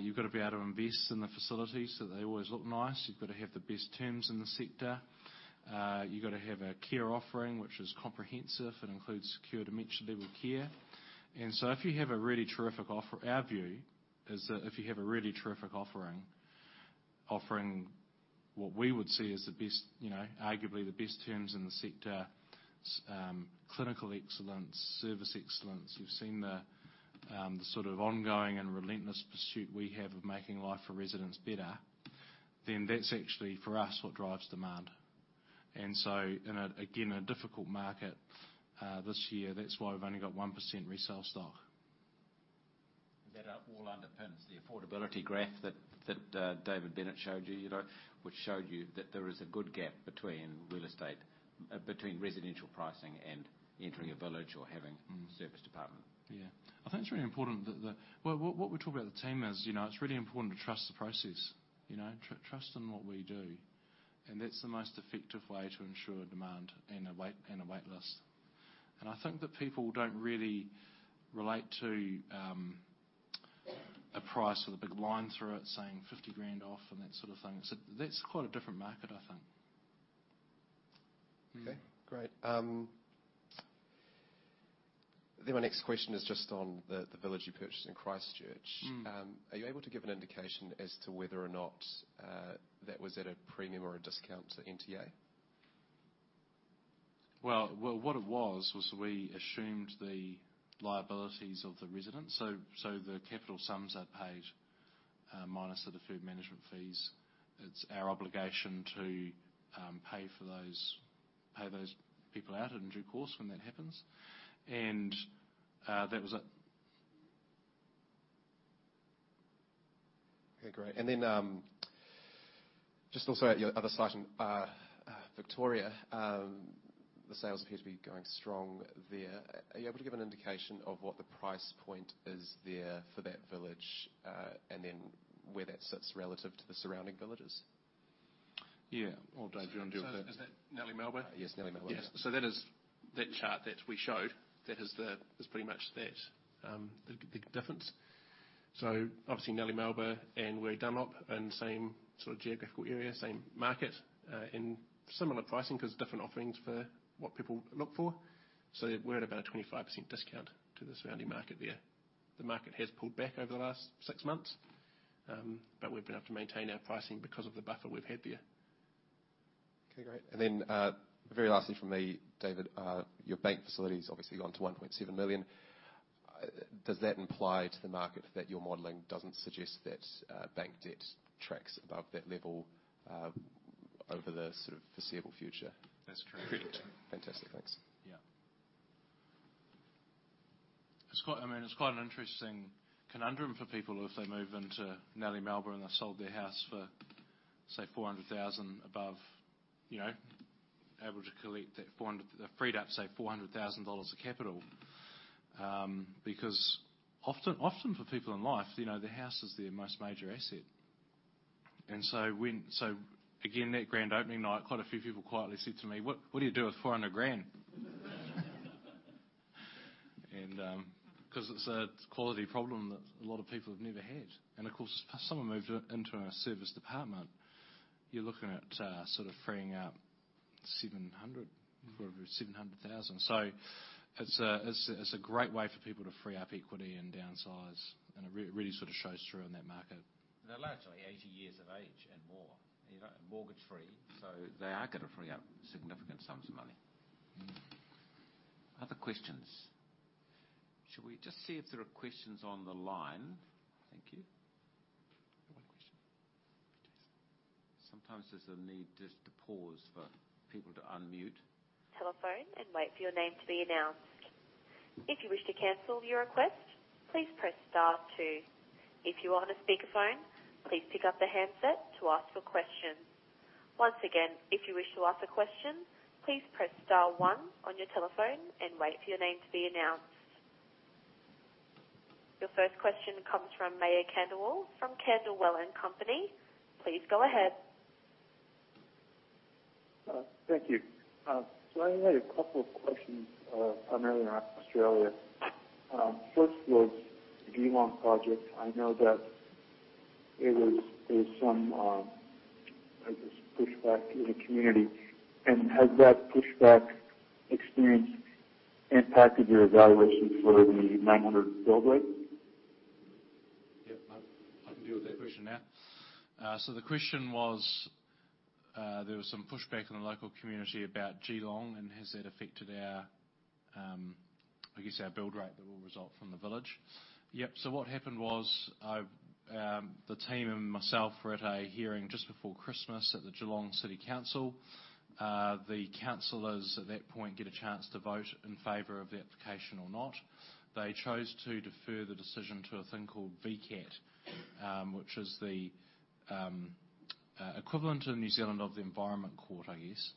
You've got to be able to invest in the facilities so they always look nice. You've got to have the best terms in the sector. You've got to have a care offering, which is comprehensive and includes secure dementia level care. Our view is that if you have a really terrific offering what we would see as arguably the best terms in the sector, clinical excellence, service excellence. You've seen the sort of ongoing and relentless pursuit we have of making life for residents better, then that's actually, for us, what drives demand. In, again, a difficult market this year, that's why we've only got 1% resale stock. That all underpins the affordability graph that David Bennett showed you, which showed you that there is a good gap between residential pricing and entering a village or having serviced apartment. Yeah. I think it's really important that the Well, what we talk about the team is, it's really important to trust the process. Trust in what we do. That's the most effective way to ensure demand and a wait-list. I think that people don't really relate to a price with a big line through it saying "50,000 off" and that sort of thing. That's quite a different market, I think. Okay, great. My next question is just on the village you purchased in Christchurch. Are you able to give an indication as to whether or not that was at a premium or a discount to NTA? What it was, we assumed the liabilities of the residents. The capital sums they paid minus the deferred management fees, it is our obligation to pay those people out in due course when that happens. That was it. Okay, great. Just also at your other site in Victoria, the sales appear to be going strong there. Are you able to give an indication of what the price point is there for that village? Where that sits relative to the surrounding villages? Yeah. Dave, do you want to deal with that? Is that Nellie Melba? Yes, Nellie Melba. Yeah. That chart that we showed, that is pretty much that, the difference. Obviously, Nellie Melba and Weary Dunlop in the same sort of geographical area, same market, in similar pricing because different offerings for what people look for. We're at about a 25% discount to the surrounding market there. The market has pulled back over the last six months. We've been able to maintain our pricing because of the buffer we've had there. Okay, great. Then very lastly from me, David, your bank facility has obviously gone to 1.7 million. Does that imply to the market that your modeling doesn't suggest that bank debt tracks above that level over the foreseeable future? That's correct. Fantastic. Thanks. Yeah. It's quite an interesting conundrum for people if they move into Nellie Melba, they sold their house for, say, 400,000 above, able to freed up, say, 400,000 dollars of capital. Because often for people in life, their house is their most major asset. Again, that grand opening night, quite a few people quietly said to me, "What do you do with 400,000?" Because it's a quality problem that a lot of people have never had. Of course, if someone moved into a service department, you're looking at freeing up 700,000. It's a great way for people to free up equity and downsize, and it really shows through in that market. They're largely 80 years of age and more, mortgage-free, so they are going to free up significant sums of money. Other questions? Shall we just see if there are questions on the line? Thank you. One question. Sometimes there is a need just to pause for people to unmute. Telephone and wait for your name to be announced. If you wish to cancel your request, please press star 2. If you are on a speakerphone, please pick up the handset to ask a question. Once again, if you wish to ask a question, please press star 1 on your telephone and wait for your name to be announced. Your first question comes from Mayur Khandelwal from Candlewell & Co. Please go ahead. Thank you. I had a couple of questions primarily around Australia. First was the Geelong project. I know that there was some, I guess, pushback in the community. Has that pushback experience impacted your evaluation for the 900 build rate? I can deal with that question now. The question was there was some pushback in the local community about Geelong and has that affected our, I guess our build rate that will result from the village. What happened was the team and myself were at a hearing just before Christmas at the Greater Geelong City Council. The councilors at that point get a chance to vote in favor of the application or not. They chose to defer the decision to a thing called VCAT, which is the equivalent in New Zealand of the Environment Court, I guess.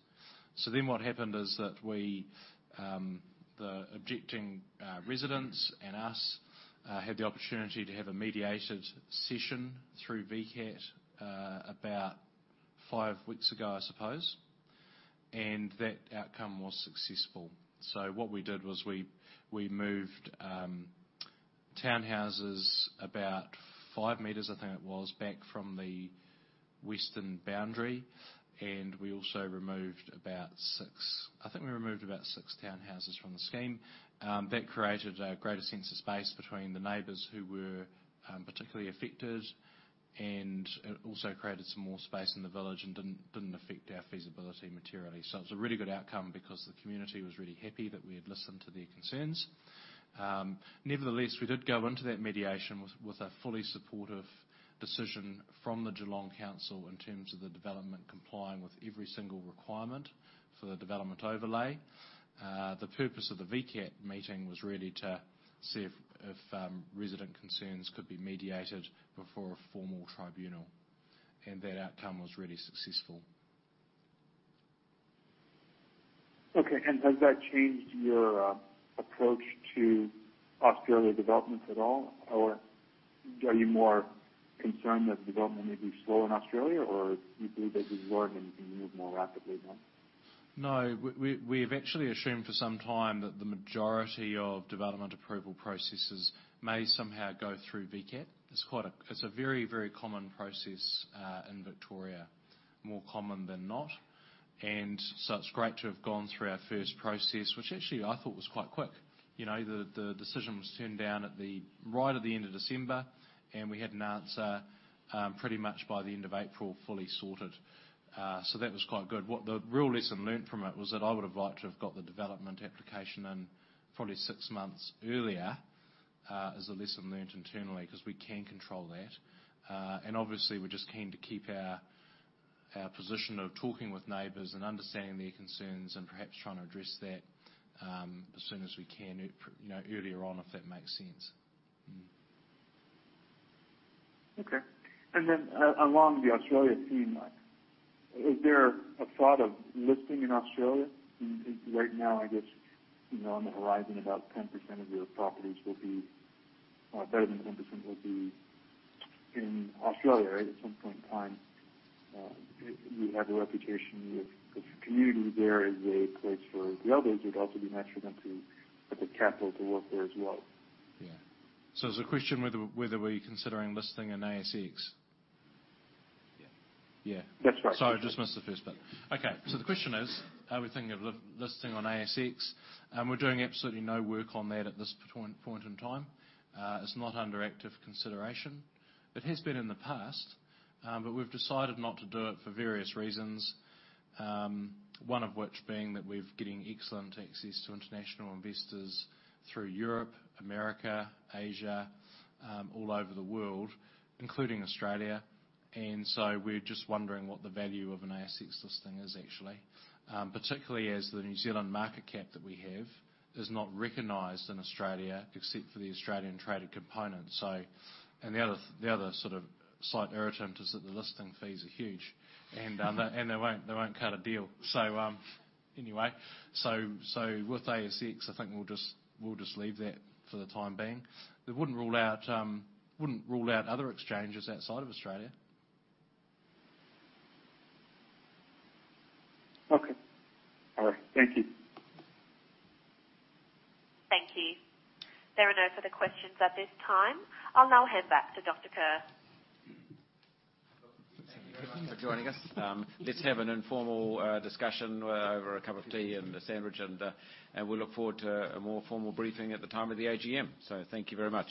What happened is that the objecting residents and us had the opportunity to have a mediated session through VCAT about five weeks ago, I suppose, and that outcome was successful. What we did was we moved townhouses about five meters, I think it was, back from the western boundary, and we also removed about six townhouses from the scheme. That created a greater sense of space between the neighbors who were particularly affected, and it also created some more space in the village and didn't affect our feasibility materially. It was a really good outcome because the community was really happy that we had listened to their concerns. Nevertheless, we did go into that mediation with a fully supportive decision from the Geelong Council in terms of the development complying with every single requirement for the development overlay. The purpose of the VCAT meeting was really to see if resident concerns could be mediated before a formal tribunal, and that outcome was really successful. Has that changed your approach to Australia developments at all? Or are you more concerned that development may be slow in Australia, or do you believe they've learned and can move more rapidly now? We've actually assumed for some time that the majority of development approval processes may somehow go through VCAT. It's a very common process in Victoria, more common than not. It's great to have gone through our first process, which actually I thought was quite quick. The decision was turned down right at the end of December, and we had an answer pretty much by the end of April, fully sorted. That was quite good. What the real lesson learned from it was that I would have liked to have got the development application in probably six months earlier as a lesson learned internally because we can control that. Obviously, we're just keen to keep our position of talking with neighbors and understanding their concerns and perhaps trying to address that as soon as we can, earlier on, if that makes sense. Along the Australia theme, is there a thought of listing in Australia? Right now, I guess, on the horizon, about 10% of your properties will be, or better than 10% will be in Australia at some point in time. You have a reputation with the community there as a place where the elders would also be natural them to put the capital to work there as well. Yeah. Is the question whether we're considering listing in ASX? Yeah. That's right. Sorry, just missed the first bit. Okay. The question is, are we thinking of listing on ASX? We're doing absolutely no work on that at this point in time. It's not under active consideration. It has been in the past, but we've decided not to do it for various reasons. One of which being that we're getting excellent access to international investors through Europe, America, Asia, all over the world, including Australia. We're just wondering what the value of an ASX listing is, actually. Particularly as the New Zealand market cap that we have is not recognized in Australia except for the Australian traded component. The other slight irritant is that the listing fees are huge, and they won't cut a deal. With ASX, I think we'll just leave that for the time being. We wouldn't rule out other exchanges outside of Australia. Okay. All right. Thank you. Thank you. There are no further questions at this time. I'll now hand back to Dr. Kerr. Thank you very much for joining us. Let's have an informal discussion over a cup of tea and a sandwich, and we look forward to a more formal briefing at the time of the AGM. Thank you very much.